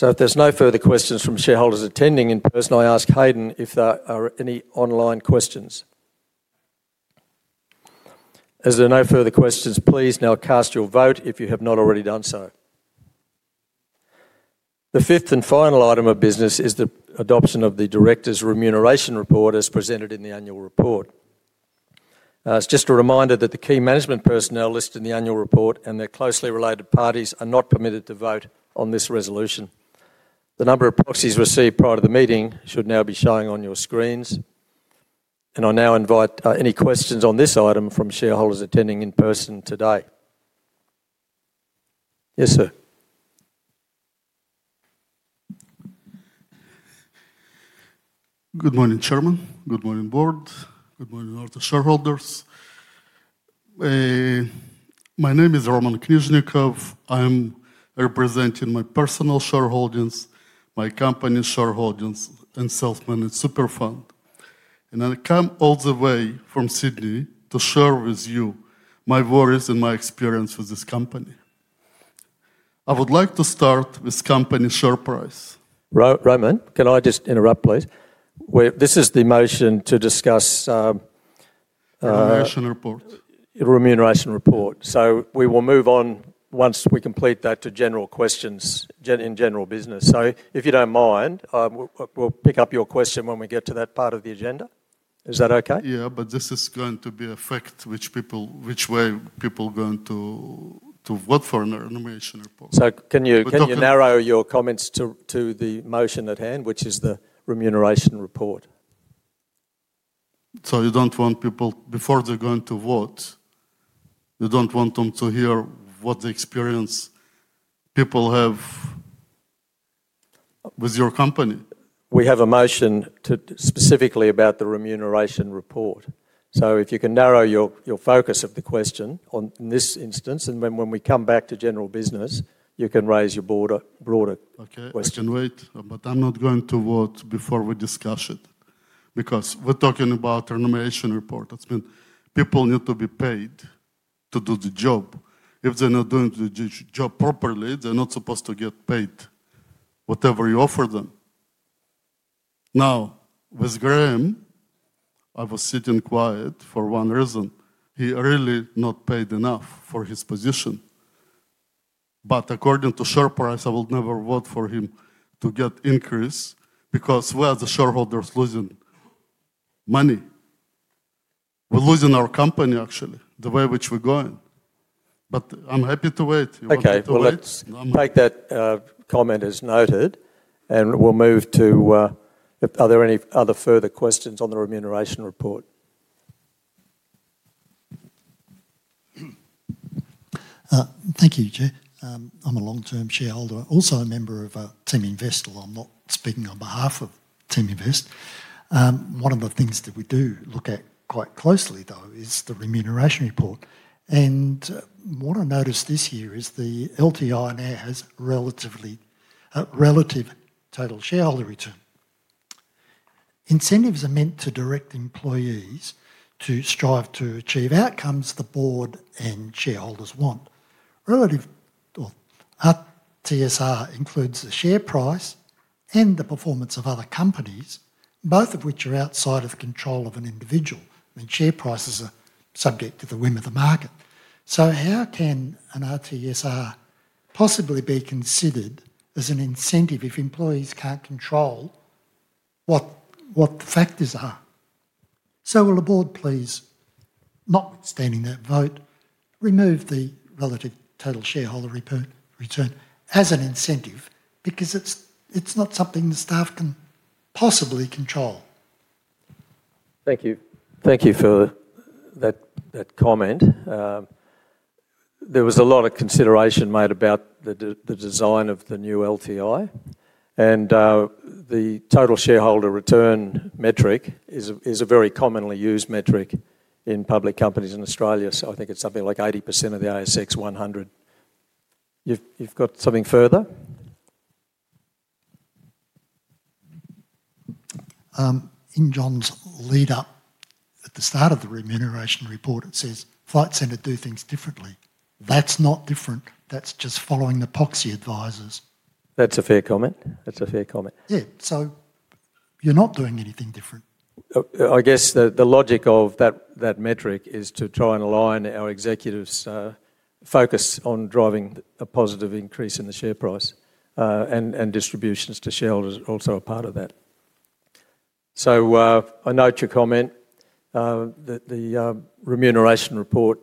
If there's no further questions from shareholders attending in person, I ask Haydn if there are any online questions. As there are no further questions, please now cast your vote if you have not already done so. The fifth and final item of business is the adoption of the director's remuneration report as presented in the annual report. It's just a reminder that the key management personnel listed in the annual report and their closely related parties are not permitted to vote on this resolution. The number of proxies received prior to the meeting should now be showing on your screens. I now invite any questions on this item from shareholders attending in person today. Yes, sir.
Good morning, Chairman. Good morning, Board. Good morning, all the shareholders. My name is Roman Kniznikov. I'm representing my personal shareholdings, my company shareholdings, and self-managed super fund. I come all the way from Sydney to share with you my worries and my experience with this company. I would like to start with company share price.
Roman, can I just interrupt, please? This is the motion to discuss the remuneration report. We will move on once we complete that to general questions in general business. If you do not mind, we will pick up your question when we get to that part of the agenda. Is that okay?
Yeah, but this is going to be a fact which way people are going to vote for in the remuneration report.
Can you narrow your comments to the motion at hand, which is the remuneration report?
You do not want people, before they are going to vote, you do not want them to hear what the experience people have with your company.
We have a motion specifically about the remuneration report. If you can narrow your focus of the question in this instance, and then when we come back to general business, you can raise your broader question.
Okay, but I'm not going to vote before we discuss it because we're talking about remuneration report. People need to be paid to do the job. If they're not doing the job properly, they're not supposed to get paid whatever you offer them. Now, with Graham, I was sitting quiet for one reason. He really not paid enough for his position. But according to share price, I will never vote for him to get increase because we are the shareholders losing money. We're losing our company, actually, the way which we're going. I'm happy to wait.
Okay, let's take that comment as noted, and we'll move to, are there any other further questions on the remuneration report? Thank you, Jay. I'm a long-term shareholder, also a member of Teaminvest. I'm not speaking on behalf of Teaminvest. One of the things that we do look at quite closely, though, is the remuneration report. And what I noticed this year is the LTI now has relatively relative total shareholder return. Incentives are meant to direct employees to strive to achieve outcomes the board and shareholders want. Relative or RTSR includes the share price and the performance of other companies, both of which are outside of control of an individual. I mean, share prices are subject to the whim of the market. So, how can an RTSR possibly be considered as an incentive if employees can't control what the factors are? So, will the board please, notwithstanding that vote, remove the relative total shareholder return as an incentive because it's not something the staff can possibly control? Thank you. Thank you for that comment. There was a lot of consideration made about the design of the new LTI, and the total shareholder return metric is a very commonly used metric in public companies in Australia. I think it's something like 80% of the ASX 100. You've got something further? In John's lead-up at the start of the remuneration report, it says, "Flight Centre do things differently." That's not different. That's just following the proxy advisors. That's a fair comment. That's a fair comment. Yeah, you're not doing anything different. I guess the logic of that metric is to try and align our executives' focus on driving a positive increase in the share price, and distributions to shareholders are also a part of that. I note your comment that the remuneration report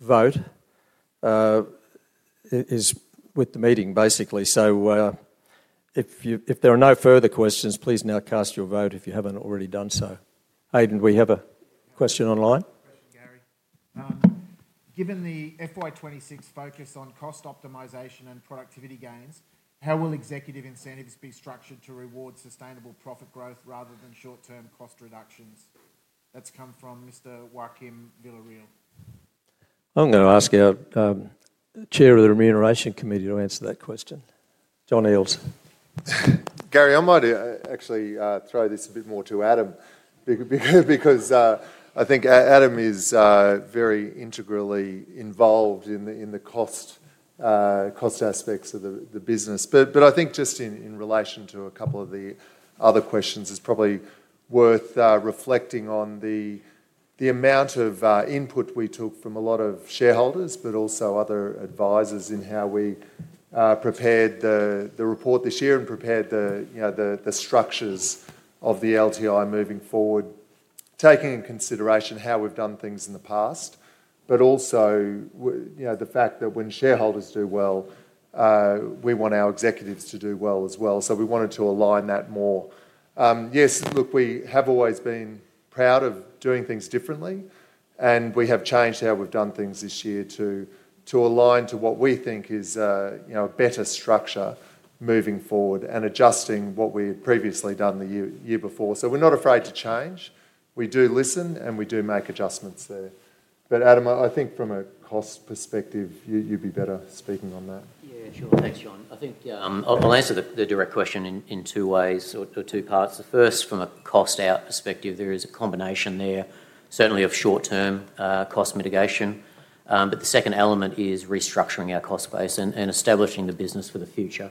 vote is with the meeting, basically. If there are no further questions, please now cast your vote if you have not already done so. Haydn, we have a question online.
Question, Gary. Given the FY 2026 focus on cost optimisation and productivity gains, how will executive incentives be structured to reward sustainable profit growth rather than short-term cost reductions? That has come from Mr. Joaquim Villareal.
I am going to ask our Chair of the Remuneration Committee to answer that question. John Eales.
Gary, I might actually throw this a bit more to Adam because I think Adam is very integrally involved in the cost aspects of the business. I think just in relation to a couple of the other questions, it's probably worth reflecting on the amount of input we took from a lot of shareholders, but also other advisors in how we prepared the report this year and prepared the structures of the LTI moving forward, taking into consideration how we've done things in the past, but also the fact that when shareholders do well, we want our executives to do well as well. We wanted to align that more. Yes, look, we have always been proud of doing things differently, and we have changed how we've done things this year to align to what we think is a better structure moving forward and adjusting what we had previously done the year before. We're not afraid to change. We do listen, and we do make adjustments there. Adam, I think from a cost perspective, you'd be better speaking on that.
Yeah, sure. Thanks, John. I think I'll answer the direct question in two ways or two parts. The first, from a cost-out perspective, there is a combination there, certainly of short-term cost mitigation. The second element is restructuring our cost base and establishing the business for the future.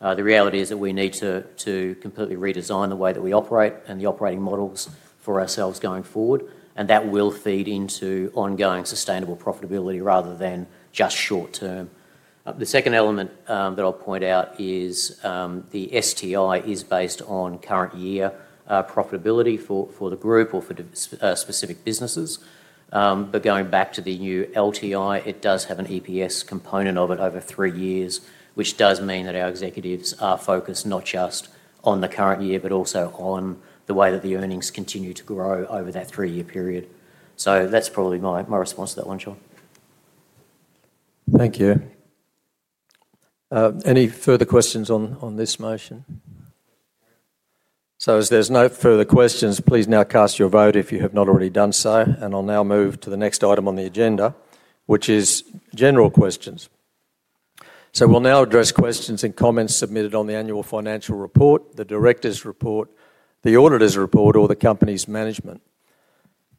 The reality is that we need to completely redesign the way that we operate and the operating models for ourselves going forward, and that will feed into ongoing sustainable profitability rather than just short-term. The second element that I'll point out is the STI is based on current year profitability for the group or for specific businesses. But going back to the new LTI, it does have an EPS component of it over three years, which does mean that our executives are focused not just on the current year, but also on the way that the earnings continue to grow over that three-year period. That's probably my response to that one, John.
Thank you. Any further questions on this motion? As there's no further questions, please now cast your vote if you have not already done so. I'll now move to the next item on the agenda, which is general questions. We'll now address questions and comments submitted on the annual financial report, the director's report, the auditor's report, or the company's management.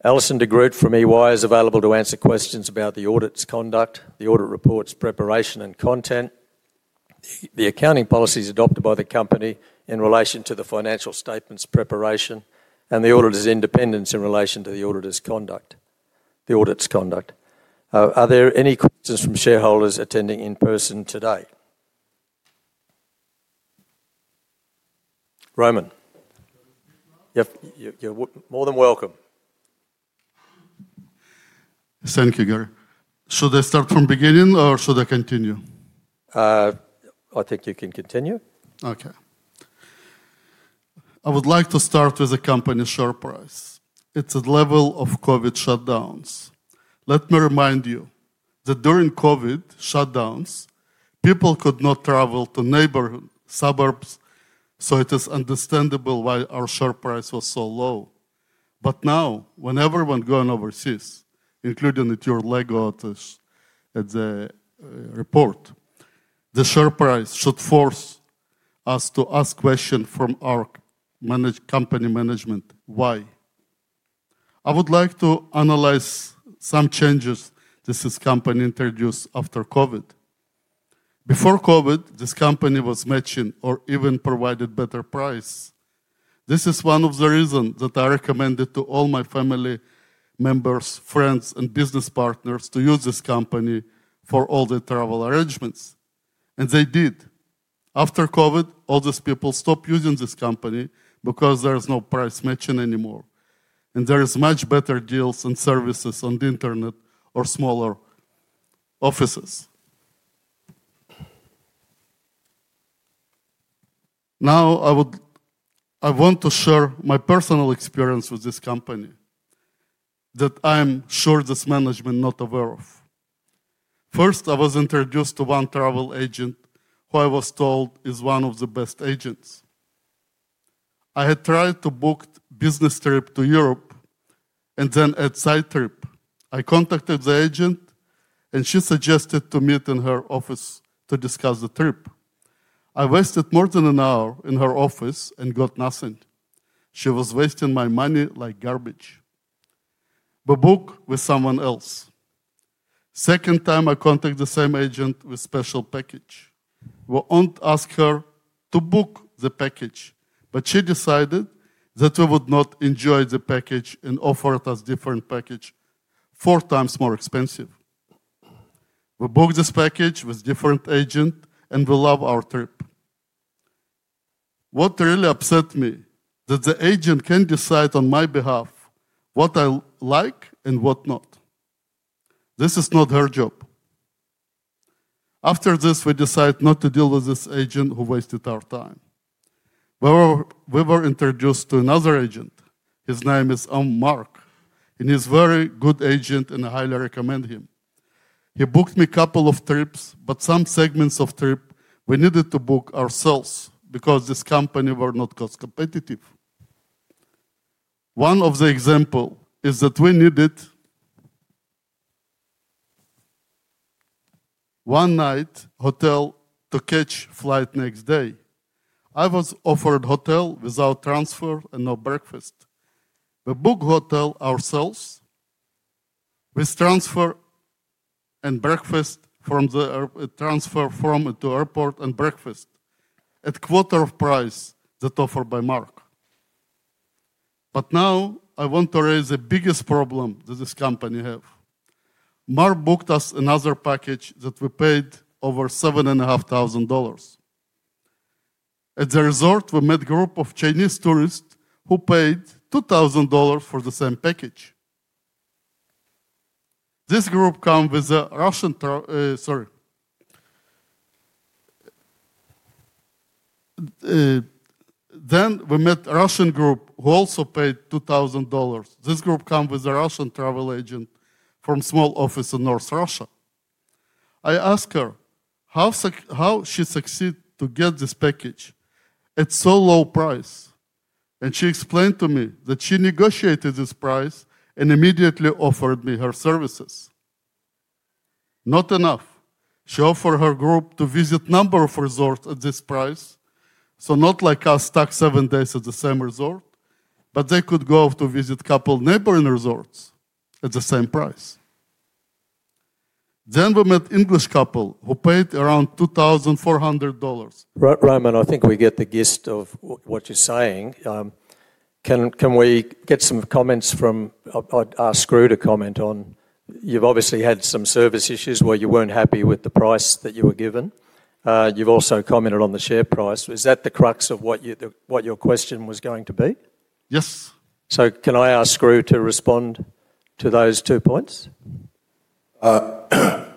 Alison de Groot from EY is available to answer questions about the audit's conduct, the audit report's preparation and content, the accounting policies adopted by the company in relation to the financial statements preparation, and the auditor's independence in relation to the auditor's conduct, the audit's conduct. Are there any questions from shareholders attending in person today? Roman. You're more than welcome.
Thank you, Gary. Should I start from beginning or should I continue?
I think you can continue. Okay.
I would like to start with the company share price. It's at level of COVID shutdowns. Let me remind you that during COVID shutdowns, people could not travel to neighborhoods, suburbs, so it is understandable why our share price was so low. Now, when everyone's going overseas, including your legal at the report, the share price should force us to ask questions from our company management, why? I would like to analyze some changes this company introduced after COVID. Before COVID, this company was matching or even provided better price. This is one of the reasons that I recommended to all my family members, friends, and business partners to use this company for all the travel arrangements. They did. After COVID, all these people stopped using this company because there's no price matching anymore. There are much better deals and services on the internet or smaller offices. Now, I want to share my personal experience with this company that I'm sure this management is not aware of. First, I was introduced to one travel agent who I was told is one of the best agents. I had tried to book a business trip to Europe and then a side trip. I contacted the agent, and she suggested to meet in her office to discuss the trip. I wasted more than an hour in her office and got nothing. She was wasting my money like garbage. We booked with someone else. Second time, I contacted the same agent with a special package. We asked her to book the package, but she decided that we would not enjoy the package and offered us a different package, four times more expensive. We booked this package with a different agent, and we love our trip. What really upset me is that the agent can't decide on my behalf what I like and what not. This is not her job. After this, we decided not to deal with this agent who wasted our time. We were introduced to another agent. His name is Mark and he's a very good agent, and I highly recommend him. He booked me a couple of trips, but some segments of the trip we needed to book ourselves because this company was not cost competitive. One of the examples is that we needed one night hotel to catch a flight the next day. I was offered a hotel without transfer and no breakfast. We booked the hotel ourselves with transfer and breakfast, from and to the airport, and breakfast at a quarter of the price that was offered by Mark. Now, I want to raise the biggest problem that this company has. Mark booked us another package that we paid over 7,500 dollars. At the resort, we met a group of Chinese tourists who paid 2,000 dollars for the same package. This group came with a Russian—sorry. We met a Russian group who also paid 2,000 dollars. This group came with a Russian travel agent from a small office in North Russia. I asked her how she succeeded to get this package at such a low price, and she explained to me that she negotiated this price and immediately offered me her services. Not enough. She offered her group to visit a number of resorts at this price, so not like us stuck seven days at the same resort, but they could go to visit a couple of neighboring resorts at the same price. We met an English couple who paid around 2,400 dollars.
Roman, I think we get the gist of what you're saying. Can we get some comments from—I'll ask Greg to comment on. You've obviously had some service issues where you weren't happy with the price that you were given. You've also commented on the share price. Is that the crux of what your question was going to be?
Yes.
Can I ask Greg to respond to those two points?
Yeah,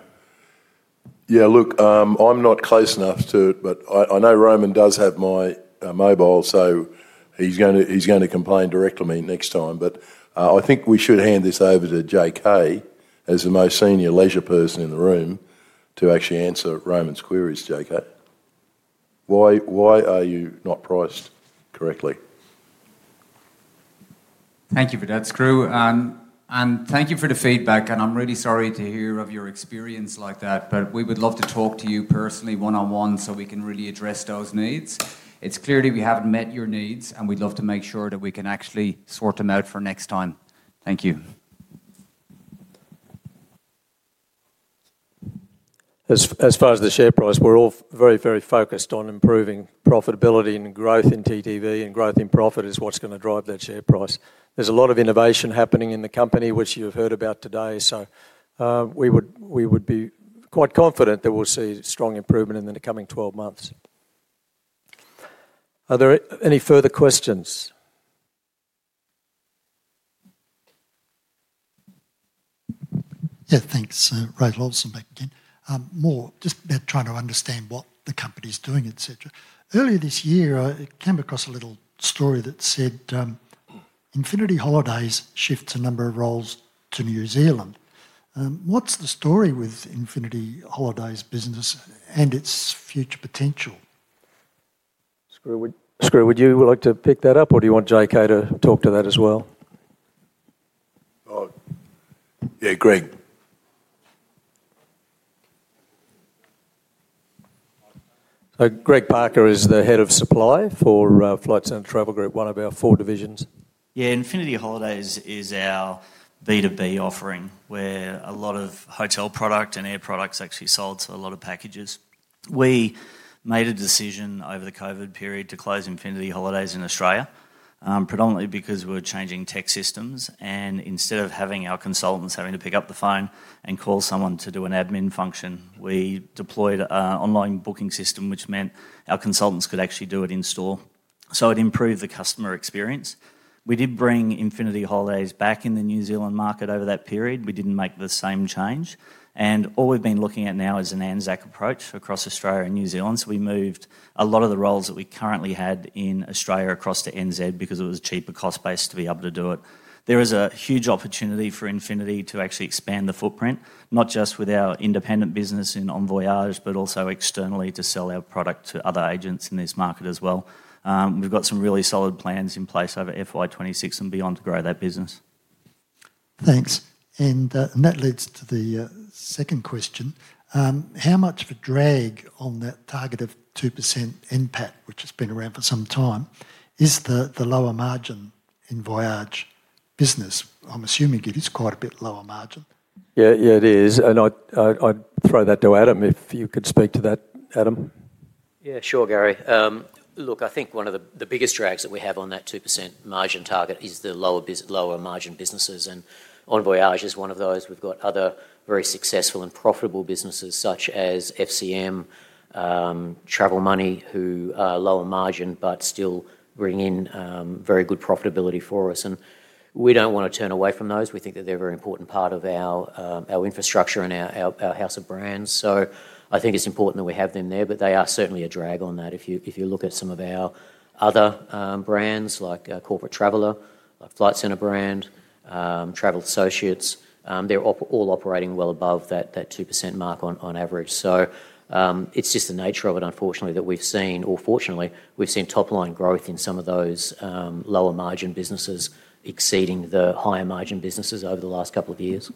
look, I'm not close enough to it, but I know Roman does have my mobile, so he's going to complain directly to me next time. I think we should hand this over to JK as the most senior leisure person in the room to actually answer Roman's queries. JK, why are you not priced correctly?
Thank you for that, Greg. Thank you for the feedback. I'm really sorry to hear of your experience like that, but we would love to talk to you personally one-on-one so we can really address those needs. It's clear that we haven't met your needs, and we'd love to make sure that we can actually sort them out for next time. Thank you.
As far as the share price, we're all very, very focused on improving profitability and growth in TTV, and growth in profit is what's going to drive that share price. There's a lot of innovation happening in the company, which you've heard about today. We would be quite confident that we'll see strong improvement in the coming 12 months. Are there any further questions? Yeah, thanks. Ray, lots of back again. More, just about trying to understand what the company's doing, etc. Earlier this year, I came across a little story that said Infinity Holidays shifts a number of roles to New Zealand. What's the story with Infinity Holidays' business and its future potential? Skroo, would you like to pick that up, or do you want JK to talk to that as well?
Yeah, Greg.
Greg Parker is the head of supply for Flight Centre Travel Group, one of our four divisions.
Yeah, Infinity Holidays is our B2B offering where a lot of hotel product and air products actually sold to a lot of packages. We made a decision over the COVID period to close Infinity Holidays in Australia, predominantly because we are changing tech systems. Instead of having our consultants having to pick up the phone and call someone to do an admin function, we deployed an online booking system, which meant our consultants could actually do it in store. It improved the customer experience. We did bring Infinity Holidays back in the New Zealand market over that period. We did not make the same change. All we have been looking at now is an ANZAC approach across Australia and New Zealand. We moved a lot of the roles that we currently had in Australia across to ANZ because it was a cheaper cost base to be able to do it. There is a huge opportunity for Infinity to actually expand the footprint, not just with our independent business in Envoyage, but also externally to sell our product to other agents in this market as well. We have some really solid plans in place over FY 2026 and beyond to grow that business. Thanks. That leads to the second question. How much of a drag on that target of 2% impact, which has been around for some time, is the lower margin Envoyage business? I am assuming it is quite a bit lower margin.
Yeah, yeah, it is. I would throw that to Adam. If you could speak to that, Adam.
Yeah, sure, Gary. Look, I think one of the biggest drags that we have on that 2% margin target is the lower margin businesses. Envoyage is one of those. We've got other very successful and profitable businesses such as FCM, Travel Money, who are lower margin but still bring in very good profitability for us. We don't want to turn away from those. We think that they're a very important part of our infrastructure and our house of brands. I think it's important that we have them there, but they are certainly a drag on that. If you look at some of our other brands like Corporate Traveller, like Flight Centre Brand, Travel Associates, they're all operating well above that 2% mark on average. It's just the nature of it, unfortunately, that we've seen, or fortunately, we've seen top-line growth in some of those lower margin businesses exceeding the higher margin businesses over the last couple of years.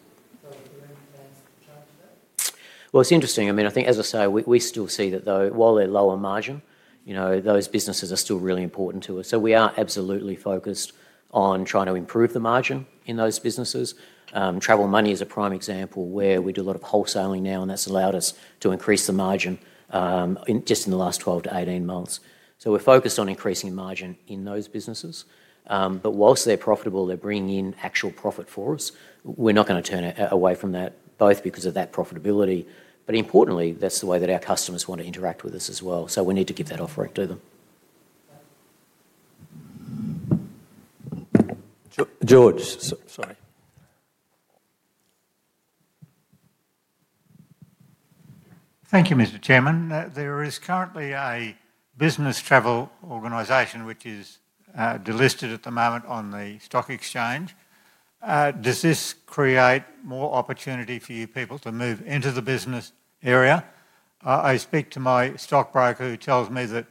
It's interesting. I mean, I think, as I say, we still see that, though, while they're lower margin, those businesses are still really important to us. We are absolutely focused on trying to improve the margin in those businesses. Travel Money is a prime example where we do a lot of wholesaling now, and that's allowed us to increase the margin just in the last 12 to 18 months. We're focused on increasing margin in those businesses. Whilst they're profitable, they're bringing in actual profit for us. We're not going to turn away from that, both because of that profitability, but importantly, that's the way that our customers want to interact with us as well. We need to give that offering to them.
George, sorry.
Thank you, Mr. Chairman. There is currently a business travel organization which is delisted at the moment on the stock exchange. Does this create more opportunity for you people to move into the business area? I speak to my stockbroker who tells me that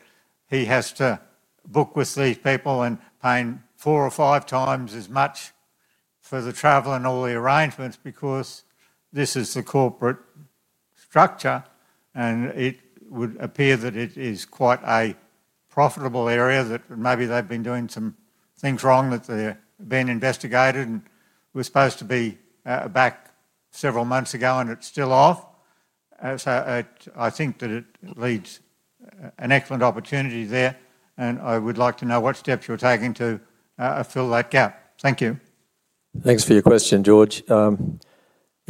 he has to book with these people and pay four or five times as much for the travel and all the arrangements because this is the corporate structure. It would appear that it is quite a profitable area that maybe they've been doing some things wrong, that they've been investigated and were supposed to be back several months ago, and it's still off. I think that it leads to an excellent opportunity there. I would like to know what steps you're taking to fill that gap. Thank you.
Thanks for your question, George.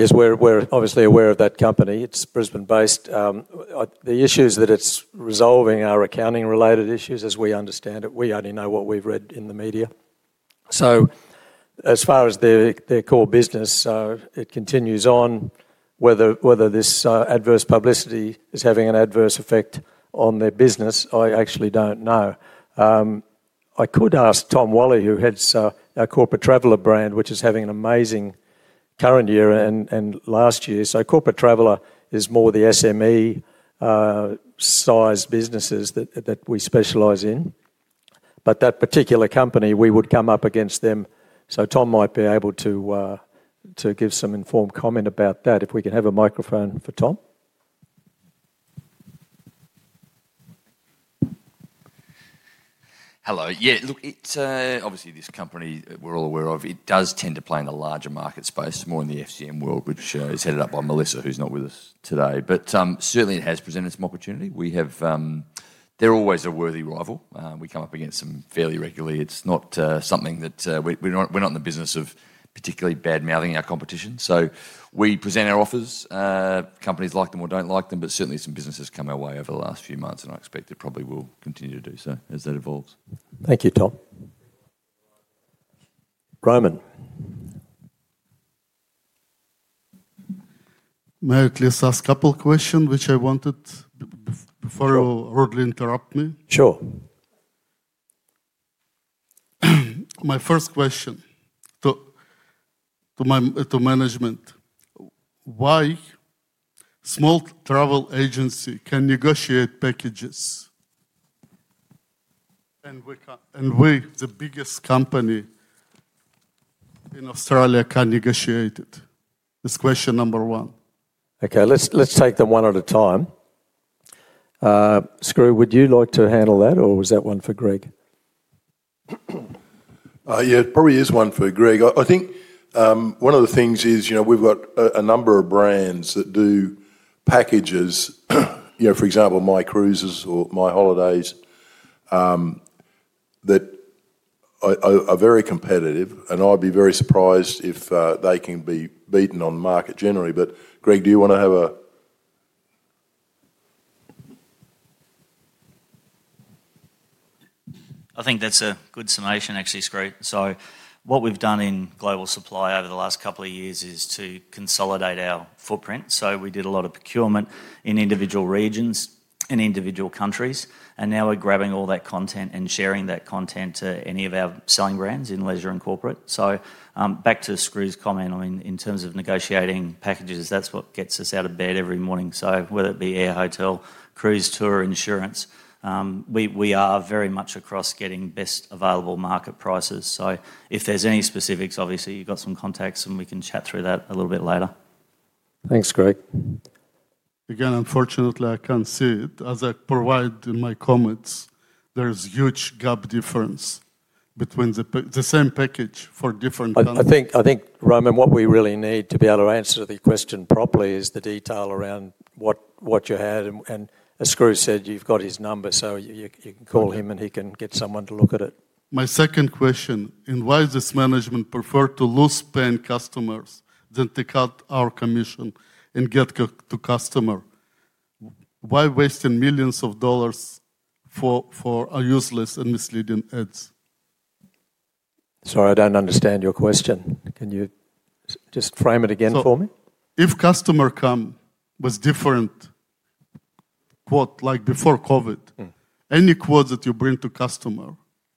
Yes, we're obviously aware of that company. It's Brisbane-based. The issues that it's resolving are accounting-related issues as we understand it. We only know what we've read in the media. As far as their core business, it continues on. Whether this adverse publicity is having an adverse effect on their business, I actually don't know. I could ask Tom Wolley, who heads our Corporate Traveller brand, which is having an amazing current year and last year. Corporate Traveller is more the SME-sized businesses that we specialize in. That particular company, we would come up against them. Tom might be able to give some informed comment about that if we can have a microphone for Tom.
Hello. Yeah, look, obviously, this company we're all aware of, it does tend to play in a larger market space, more in the FCM world, which is headed up by Melissa, who's not with us today. It has presented some opportunity. They're always a worthy rival. We come up against them fairly regularly. It's not something that we're not in the business of particularly badmouthing our competition. We present our offers. Companies like them or do not like them, but certainly, some businesses come our way over the last few months, and I expect they probably will continue to do so as that evolves.
Thank you, Tom. Roman.
May I just ask a couple of questions which I wanted before you'll rudely interrupt me?
Sure.
My first question to management: why can a small travel agency negotiate packages when we, the biggest company in Australia, cannot negotiate it? It's question number one.
Okay, let's take them one at a time. Skroo, would you like to handle that, or was that one for Greg?
Yeah, it probably is one for Greg. I think one of the things is we've got a number of brands that do packages. For example, My Cruise or My Holidays that are very competitive, and I'd be very surprised if they can be beaten on the market generally. Greg, do you want to have a—
I think that's a good summation, actually, Skroo. What we've done in global supply over the last couple of years is to consolidate our footprint. We did a lot of procurement in individual regions and individual countries, and now we're grabbing all that content and sharing that content to any of our selling brands in leisure and corporate. Back to Skroo's comment, I mean, in terms of negotiating packages, that's what gets us out of bed every morning. Whether it be air, hotel, cruise, tour, insurance, we are very much across getting best available market prices. If there's any specifics, obviously, you've got some contacts, and we can chat through that a little bit later.
Thanks, Greg.
Again, unfortunately, I can't see it. As I provided in my comments, there's a huge gap difference between the same package for different—
I think, Roman, what we really need to be able to answer the question properly is the detail around what you had. As Skroo said, you've got his number, so you can call him, and he can get someone to look at it.
My second question: why does management prefer to lose paying customers than to cut our commission and get to customer? Why waste millions of dollars for useless and misleading ads?
Sorry, I don't understand your question. Can you just frame it again for me?
If customer comes with a different quote, like before COVID, any quote that you bring to customer,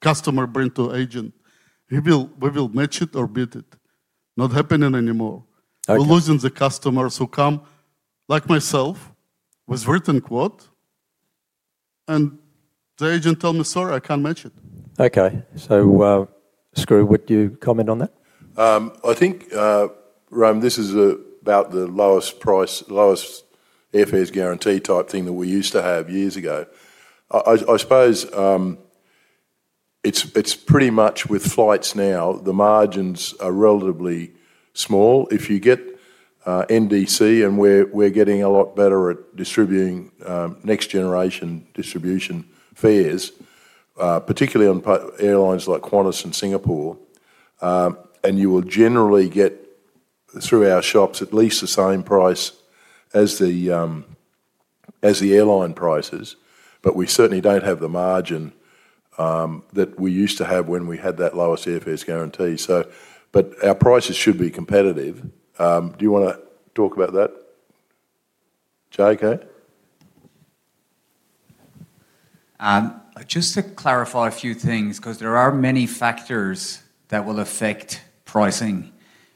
customer brings to agent, we will match it or beat it. Not happening anymore. We're losing the customers who come, like myself, with a written quote, and the agent tells me, "Sorry, I can't match it."
Okay. Skroo, would you comment on that?
I think, Roman, this is about the lowest price, lowest airfares guarantee type thing that we used to have years ago. I suppose it's pretty much with flights now, the margins are relatively small. If you get NDC, and we're getting a lot better at distributing next-generation distribution fares, particularly on airlines like Qantas and Singapore, you will generally get through our shops at least the same price as the airline prices. We certainly don't have the margin that we used to have when we had that lowest airfares guarantee. Our prices should be competitive. Do you want to talk about that, JK?
Just to clarify a few things, because there are many factors that will affect pricing,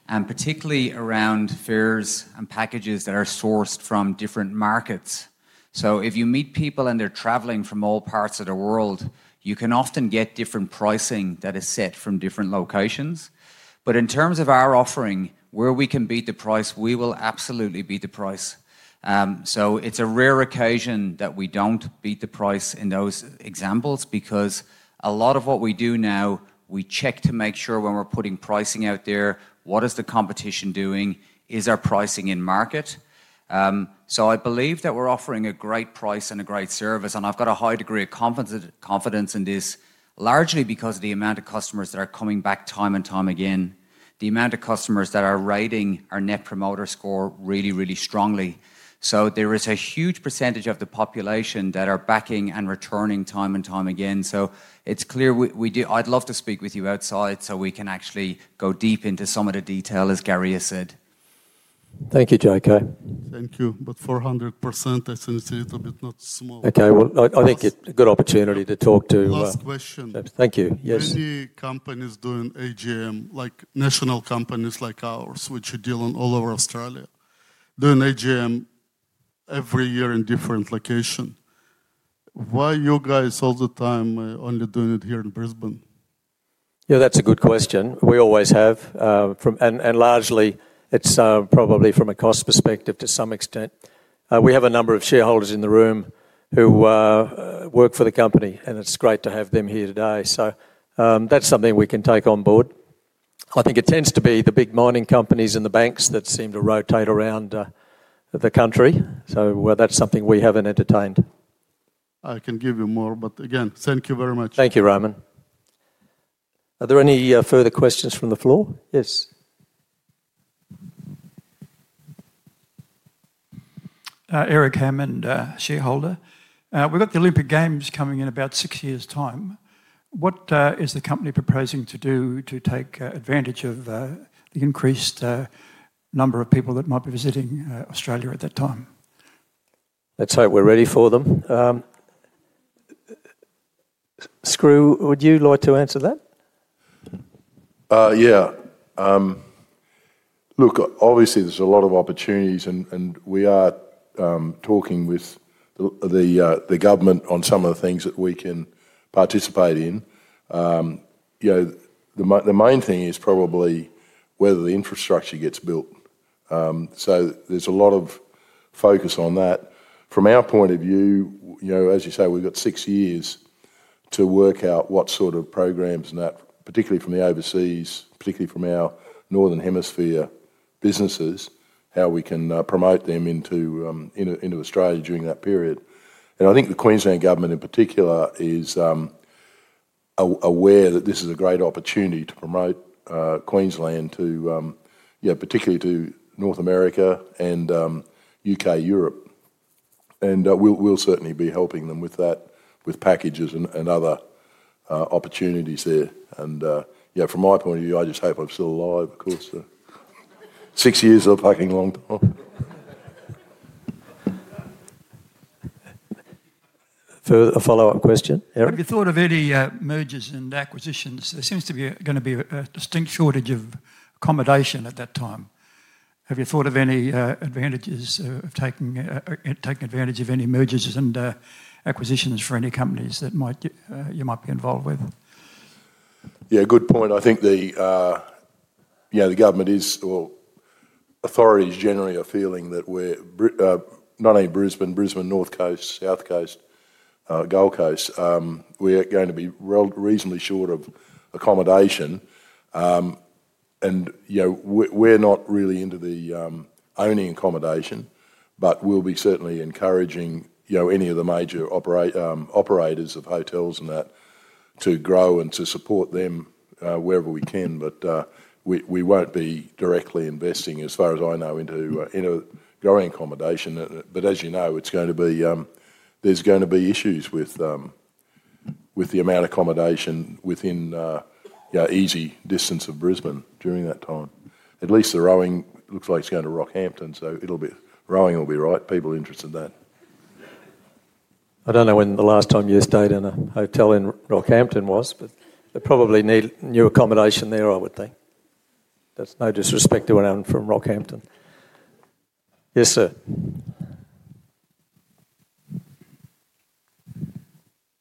particularly around fares and packages that are sourced from different markets. If you meet people and they're traveling from all parts of the world, you can often get different pricing that is set from different locations. In terms of our offering, where we can beat the price, we will absolutely beat the price. It's a rare occasion that we don't beat the price in those examples because a lot of what we do now, we check to make sure when we're putting pricing out there, what is the competition doing? Is our pricing in market? I believe that we're offering a great price and a great service, and I've got a high degree of confidence in this, largely because of the amount of customers that are coming back time and time again, the amount of customers that are rating our net promoter score really, really strongly. There is a huge percentage of the population that are backing and returning time and time again. It is clear we do—I would love to speak with you outside so we can actually go deep into some of the detail, as Gary has said.
Thank you, JK.
Thank you. But 400%, I think it is a little bit not small.
Okay, I think it is a good opportunity to talk to—
Last question.
Thank you. Yes.
Many companies doing AGM, like national companies like ours, which are dealing all over Australia, doing AGM every year in different locations. Why are you guys all the time only doing it here in Brisbane?
That is a good question. We always have. Largely, it is probably from a cost perspective to some extent. We have a number of shareholders in the room who work for the company, and it is great to have them here today. That is something we can take on board. I think it tends to be the big mining companies and the banks that seem to rotate around the country. That is something we have not entertained.
I can give you more, but again, thank you very much.
Thank you, Roman. Are there any further questions from the floor? Yes. Eric Hammond, shareholder. We have got the Olympic Games coming in about six years' time. What is the company proposing to do to take advantage of the increased number of people that might be visiting Australia at that time? Let us hope we are ready for them. Skroo, would you like to answer that?
Yeah. Look, obviously, there are a lot of opportunities, and we are talking with the government on some of the things that we can participate in. The main thing is probably whether the infrastructure gets built. There is a lot of focus on that. From our point of view, as you say, we've got six years to work out what sort of programs and that, particularly from the overseas, particularly from our northern hemisphere businesses, how we can promote them into Australia during that period. I think the Queensland government, in particular, is aware that this is a great opportunity to promote Queensland, particularly to North America and U.K., Europe. We'll certainly be helping them with that, with packages and other opportunities there. From my point of view, I just hope I'm still alive, of course. Six years are a fucking long time.
A follow-up question, Eric? Have you thought of any mergers and acquisitions? There seems to be going to be a distinct shortage of accommodation at that time. Have you thought of any advantages of taking advantage of any mergers and acquisitions for any companies that you might be involved with?
Yeah, good point. I think the government is, or authorities generally, are feeling that we're not only Brisbane, Brisbane North Coast, South Coast, Gold Coast, we're going to be reasonably short of accommodation. We're not really into the owning accommodation, but we'll be certainly encouraging any of the major operators of hotels and that to grow and to support them wherever we can. We won't be directly investing, as far as I know, into growing accommodation. As you know, it's going to be—there's going to be issues with the amount of accommodation within easy distance of Brisbane during that time. At least the rowing looks like it's going to Rockhampton, so it'll be—rowing will be right. People interested in that.
I don't know when the last time you stayed in a hotel in Rockhampton was, but they probably need new accommodation there, I would think. That's no disrespect to anyone from Rockhampton. Yes, sir.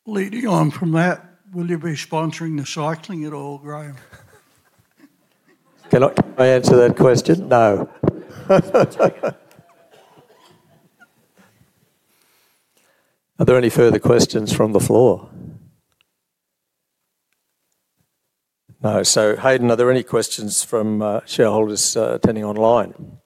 Leading on from that, will you be sponsoring the cycling at all, Graham? Can I answer that question?
No.
Are there any further questions from the floor? No. So, Haydn, are there any questions from shareholders attending online?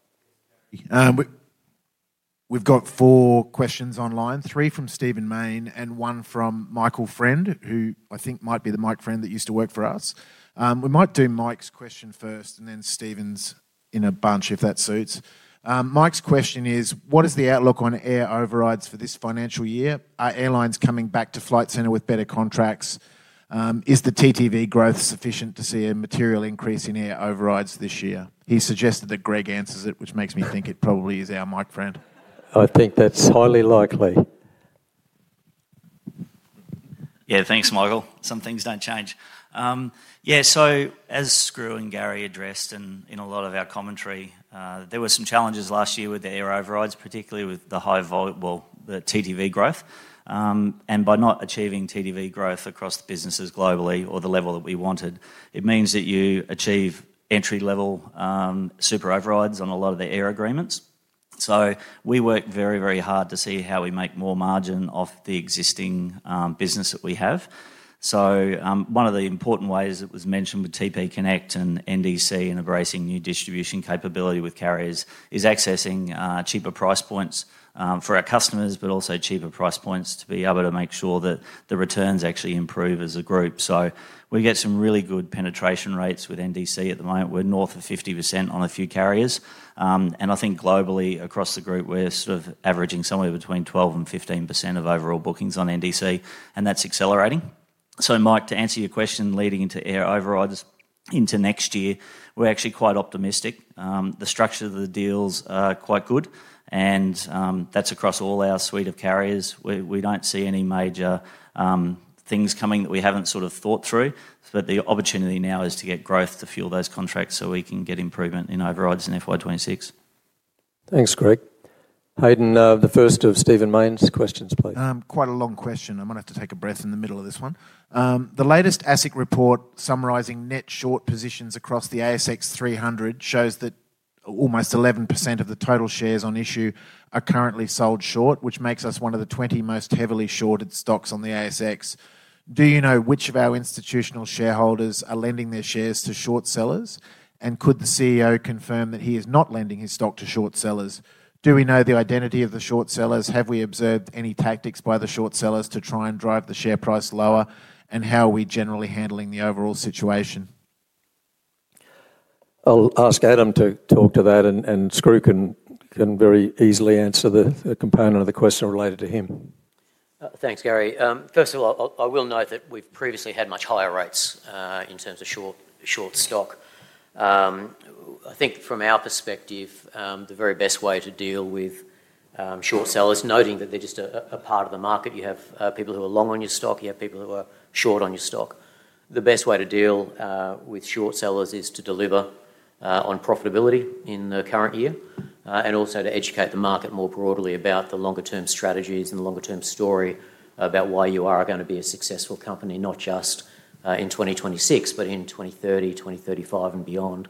We've got four questions online. Three from Steven Main and one from Michael Friend, who I think might be the Mike Friend that used to work for us. We might do Mike's question first and then Steven's in a bunch if that suits. Mike's question is, what is the outlook on air overrides for this financial year? Are airlines coming back to Flight Centre with better contracts? Is the TTV growth sufficient to see a material increase in air overrides this year? He suggested that Greg answers it, which makes me think it probably is our Mike Friend.
I think that's highly likely.
Yeah, thanks, Michael. Some things don't change. Yeah, as Skroo and Gary addressed in a lot of our commentary, there were some challenges last year with the air overrides, particularly with the high vol—well, the TTV growth. By not achieving TTV growth across the businesses globally or the level that we wanted, it means that you achieve entry-level super overrides on a lot of the air agreements. We work very, very hard to see how we make more margin off the existing business that we have. One of the important ways that was mentioned with TP Connects and NDC and embracing new distribution capability with carriers is accessing cheaper price points for our customers, but also cheaper price points to be able to make sure that the returns actually improve as a group. We get some really good penetration rates with NDC at the moment. We're north of 50% on a few carriers. I think globally across the group, we're sort of averaging somewhere between 12%-15% of overall bookings on NDC, and that's accelerating. Mike, to answer your question leading into air overrides into next year, we're actually quite optimistic. The structure of the deals are quite good, and that's across all our suite of carriers. We don't see any major things coming that we haven't sort of thought through. The opportunity now is to get growth to fuel those contracts so we can get improvement in overrides in FY 2026.
Thanks, Greg. Haydn, the first of Steven Main's questions, please.
Quite a long question. I'm going to have to take a breath in the middle of this one. The latest ASIC report summarizing net short positions across the ASX 300 shows that almost 11% of the total shares on issue are currently sold short, which makes us one of the 20 most heavily shorted stocks on the ASX. Do you know which of our institutional shareholders are lending their shares to short sellers? Could the CEO confirm that he is not lending his stock to short sellers? Do we know the identity of the short sellers? Have we observed any tactics by the short sellers to try and drive the share price lower? How are we generally handling the overall situation?
I'll ask Adam to talk to that, and Skroo can very easily answer the component of the question related to him.
Thanks, Gary. First of all, I will note that we've previously had much higher rates in terms of short stock. I think from our perspective, the very best way to deal with short sellers, noting that they're just a part of the market, you have people who are long on your stock, you have people who are short on your stock. The best way to deal with short sellers is to deliver on profitability in the current year, and also to educate the market more broadly about the longer-term strategies and the longer-term story about why you are going to be a successful company, not just in 2026, but in 2030, 2035, and beyond.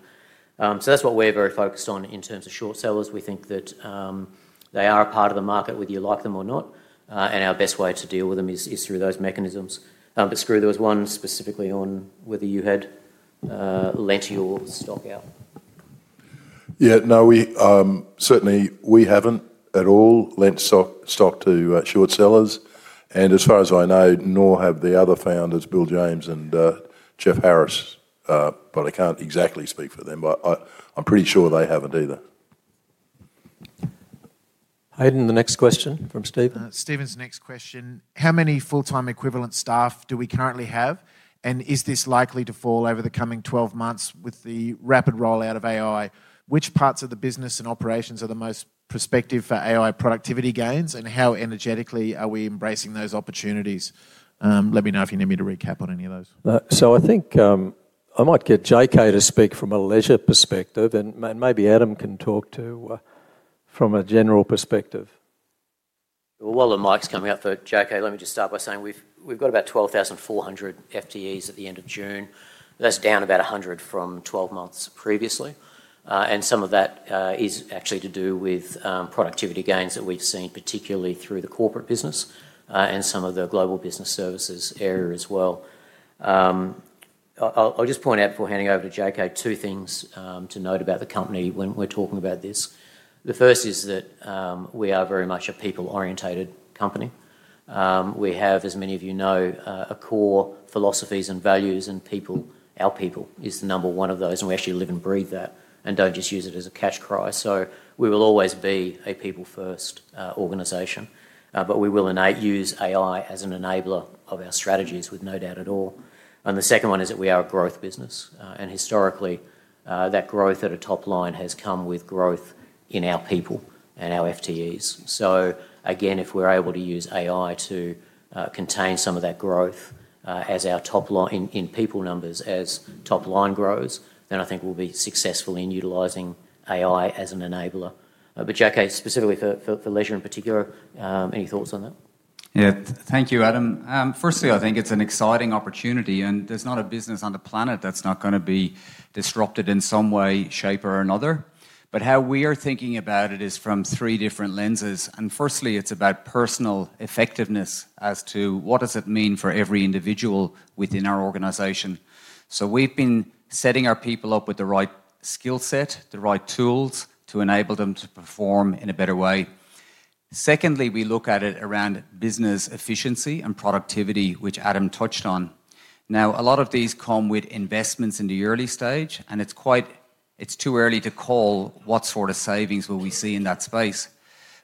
That is what we are very focused on in terms of short sellers. We think that they are a part of the market, whether you like them or not, and our best way to deal with them is through those mechanisms. Skroo, there was one specifically on whether you had lent your stock out.
Yeah, no, certainly we have not at all lent stock to short sellers. And as far as I know, nor have the other founders, Bill James and Jeff Harris, but I cannot exactly speak for them, but I am pretty sure they have not either.
Hayden, the next question from Steven.
Steven's next question. How many full-time equivalent staff do we currently have? And is this likely to fall over the coming 12 months with the rapid rollout of AI? Which parts of the business and operations are the most prospective for AI productivity gains, and how energetically are we embracing those opportunities? Let me know if you need me to recap on any of those.
I think I might get JK to speak from a leisure perspective, and maybe Adam can talk too from a general perspective.
While Mike's coming up, JK, let me just start by saying we've got about 12,400 FTEs at the end of June. That's down about 100 from 12 months previously. Some of that is actually to do with productivity gains that we've seen, particularly through the corporate business and some of the global business services area as well. I'll just point out before handing over to JK two things to note about the company when we're talking about this. The first is that we are very much a people-orientated company. We have, as many of you know, core philosophies and values and people, our people is the number one of those, and we actually live and breathe that and do not just use it as a catch cry. We will always be a people-first organization, but we will use AI as an enabler of our strategies, with no doubt at all. The second one is that we are a growth business, and historically, that growth at a top line has come with growth in our people and our FTEs. If we are able to use AI to contain some of that growth as our top line in people numbers as top line grows, then I think we will be successful in utilizing AI as an enabler. JK, specifically for leisure in particular, any thoughts on that?
Yeah, thank you, Adam. Firstly, I think it's an exciting opportunity, and there's not a business on the planet that's not going to be disrupted in some way, shape, or another. How we are thinking about it is from three different lenses. Firstly, it's about personal effectiveness as to what does it mean for every individual within our organization. We've been setting our people up with the right skill set, the right tools to enable them to perform in a better way. Secondly, we look at it around business efficiency and productivity, which Adam touched on. A lot of these come with investments in the early stage, and it's too early to call what sort of savings will we see in that space.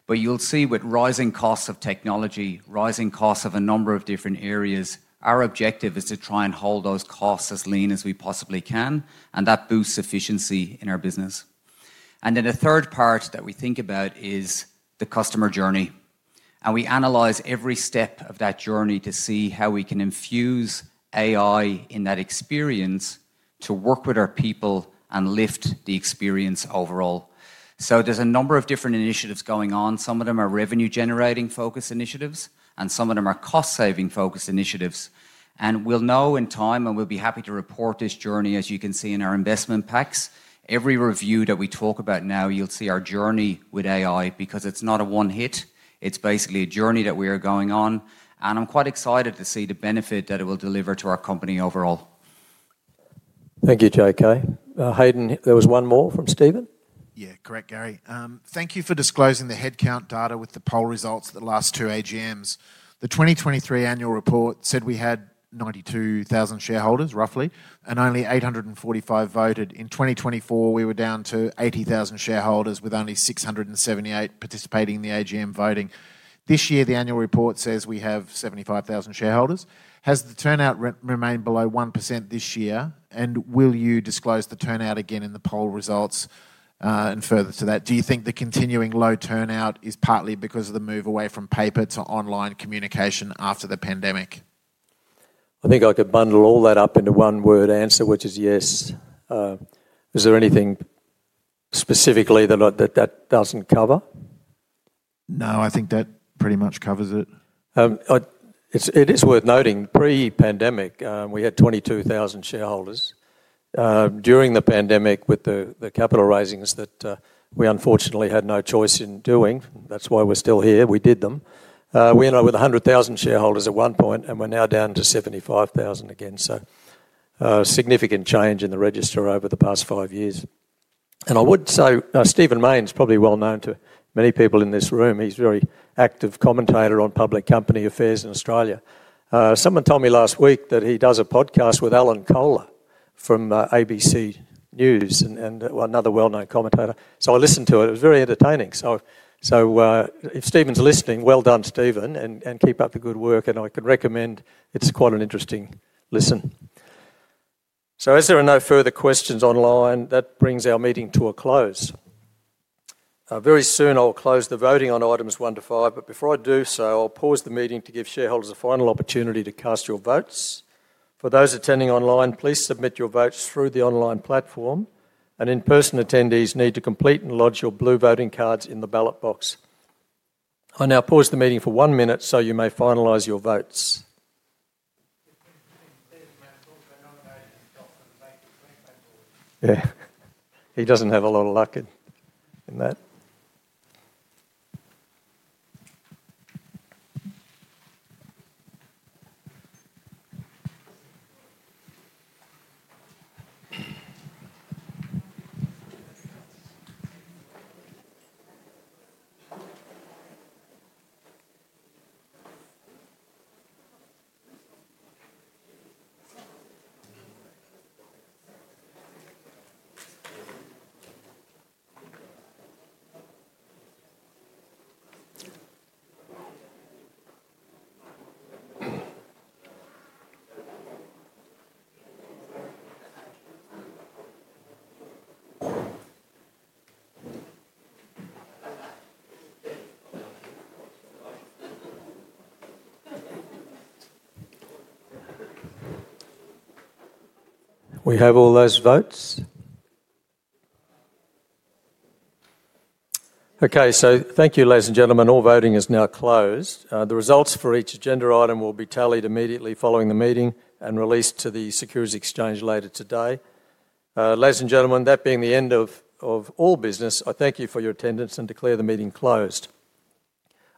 You will see with rising costs of technology, rising costs of a number of different areas, our objective is to try and hold those costs as lean as we possibly can, and that boosts efficiency in our business. The third part that we think about is the customer journey. We analyze every step of that journey to see how we can infuse AI in that experience to work with our people and lift the experience overall. There are a number of different initiatives going on. Some of them are revenue-generating focus initiatives, and some of them are cost-saving focus initiatives. We will know in time, and we will be happy to report this journey, as you can see in our investment packs. Every review that we talk about now, you will see our journey with AI because it is not a one-hit. It's basically a journey that we are going on, and I'm quite excited to see the benefit that it will deliver to our company overall.
Thank you, JK. Haydn, there was one more from Steven.
Yeah, correct, Gary. Thank you for disclosing the headcount data with the poll results of the last two AGMs. The 2023 annual report said we had 92,000 shareholders, roughly, and only 845 voted. In 2024, we were down to 80,000 shareholders with only 678 participating in the AGM voting. This year, the annual report says we have 75,000 shareholders. Has the turnout remained below 1% this year, and will you disclose the turnout again in the poll results and further to that? Do you think the continuing low turnout is partly because of the move away from paper to online communication after the pandemic?
I think I could bundle all that up into one word answer, which is yes. Is there anything specifically that that does not cover?
No, I think that pretty much covers it.
It is worth noting, pre-pandemic, we had 22,000 shareholders. During the pandemic, with the capital raisings that we unfortunately had no choice in doing, that is why we are still here, we did them. We ended up with 100,000 shareholders at one point, and we are now down to 75,000 again. Significant change in the register over the past five years. I would say Stephen Mayne is probably well known to many people in this room. He is a very active commentator on public company affairs in Australia. Someone told me last week that he does a podcast with Alan Kohler from ABC News and another well-known commentator. I listened to it. It was very entertaining. If Steven's listening, well done, Steven, and keep up the good work. I could recommend it's quite an interesting listen. As there are no further questions online, that brings our meeting to a close. Very soon, I'll close the voting on items one to five, but before I do so, I'll pause the meeting to give shareholders a final opportunity to cast your votes. For those attending online, please submit your votes through the online platform, and in-person attendees need to complete and lodge your blue voting cards in the ballot box. I now pause the meeting for one minute so you may finalize your votes. Yeah, he doesn't have a lot of luck in that. We have all those votes. Thank you, ladies and gentlemen. All voting is now closed. The results for each agenda item will be tallied immediately following the meeting and released to the securities exchange later today. Ladies and gentlemen, that being the end of all business, I thank you for your attendance and declare the meeting closed.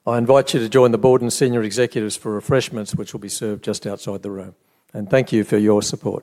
I invite you to join the board and senior executives for refreshments, which will be served just outside the room. Thank you for your support.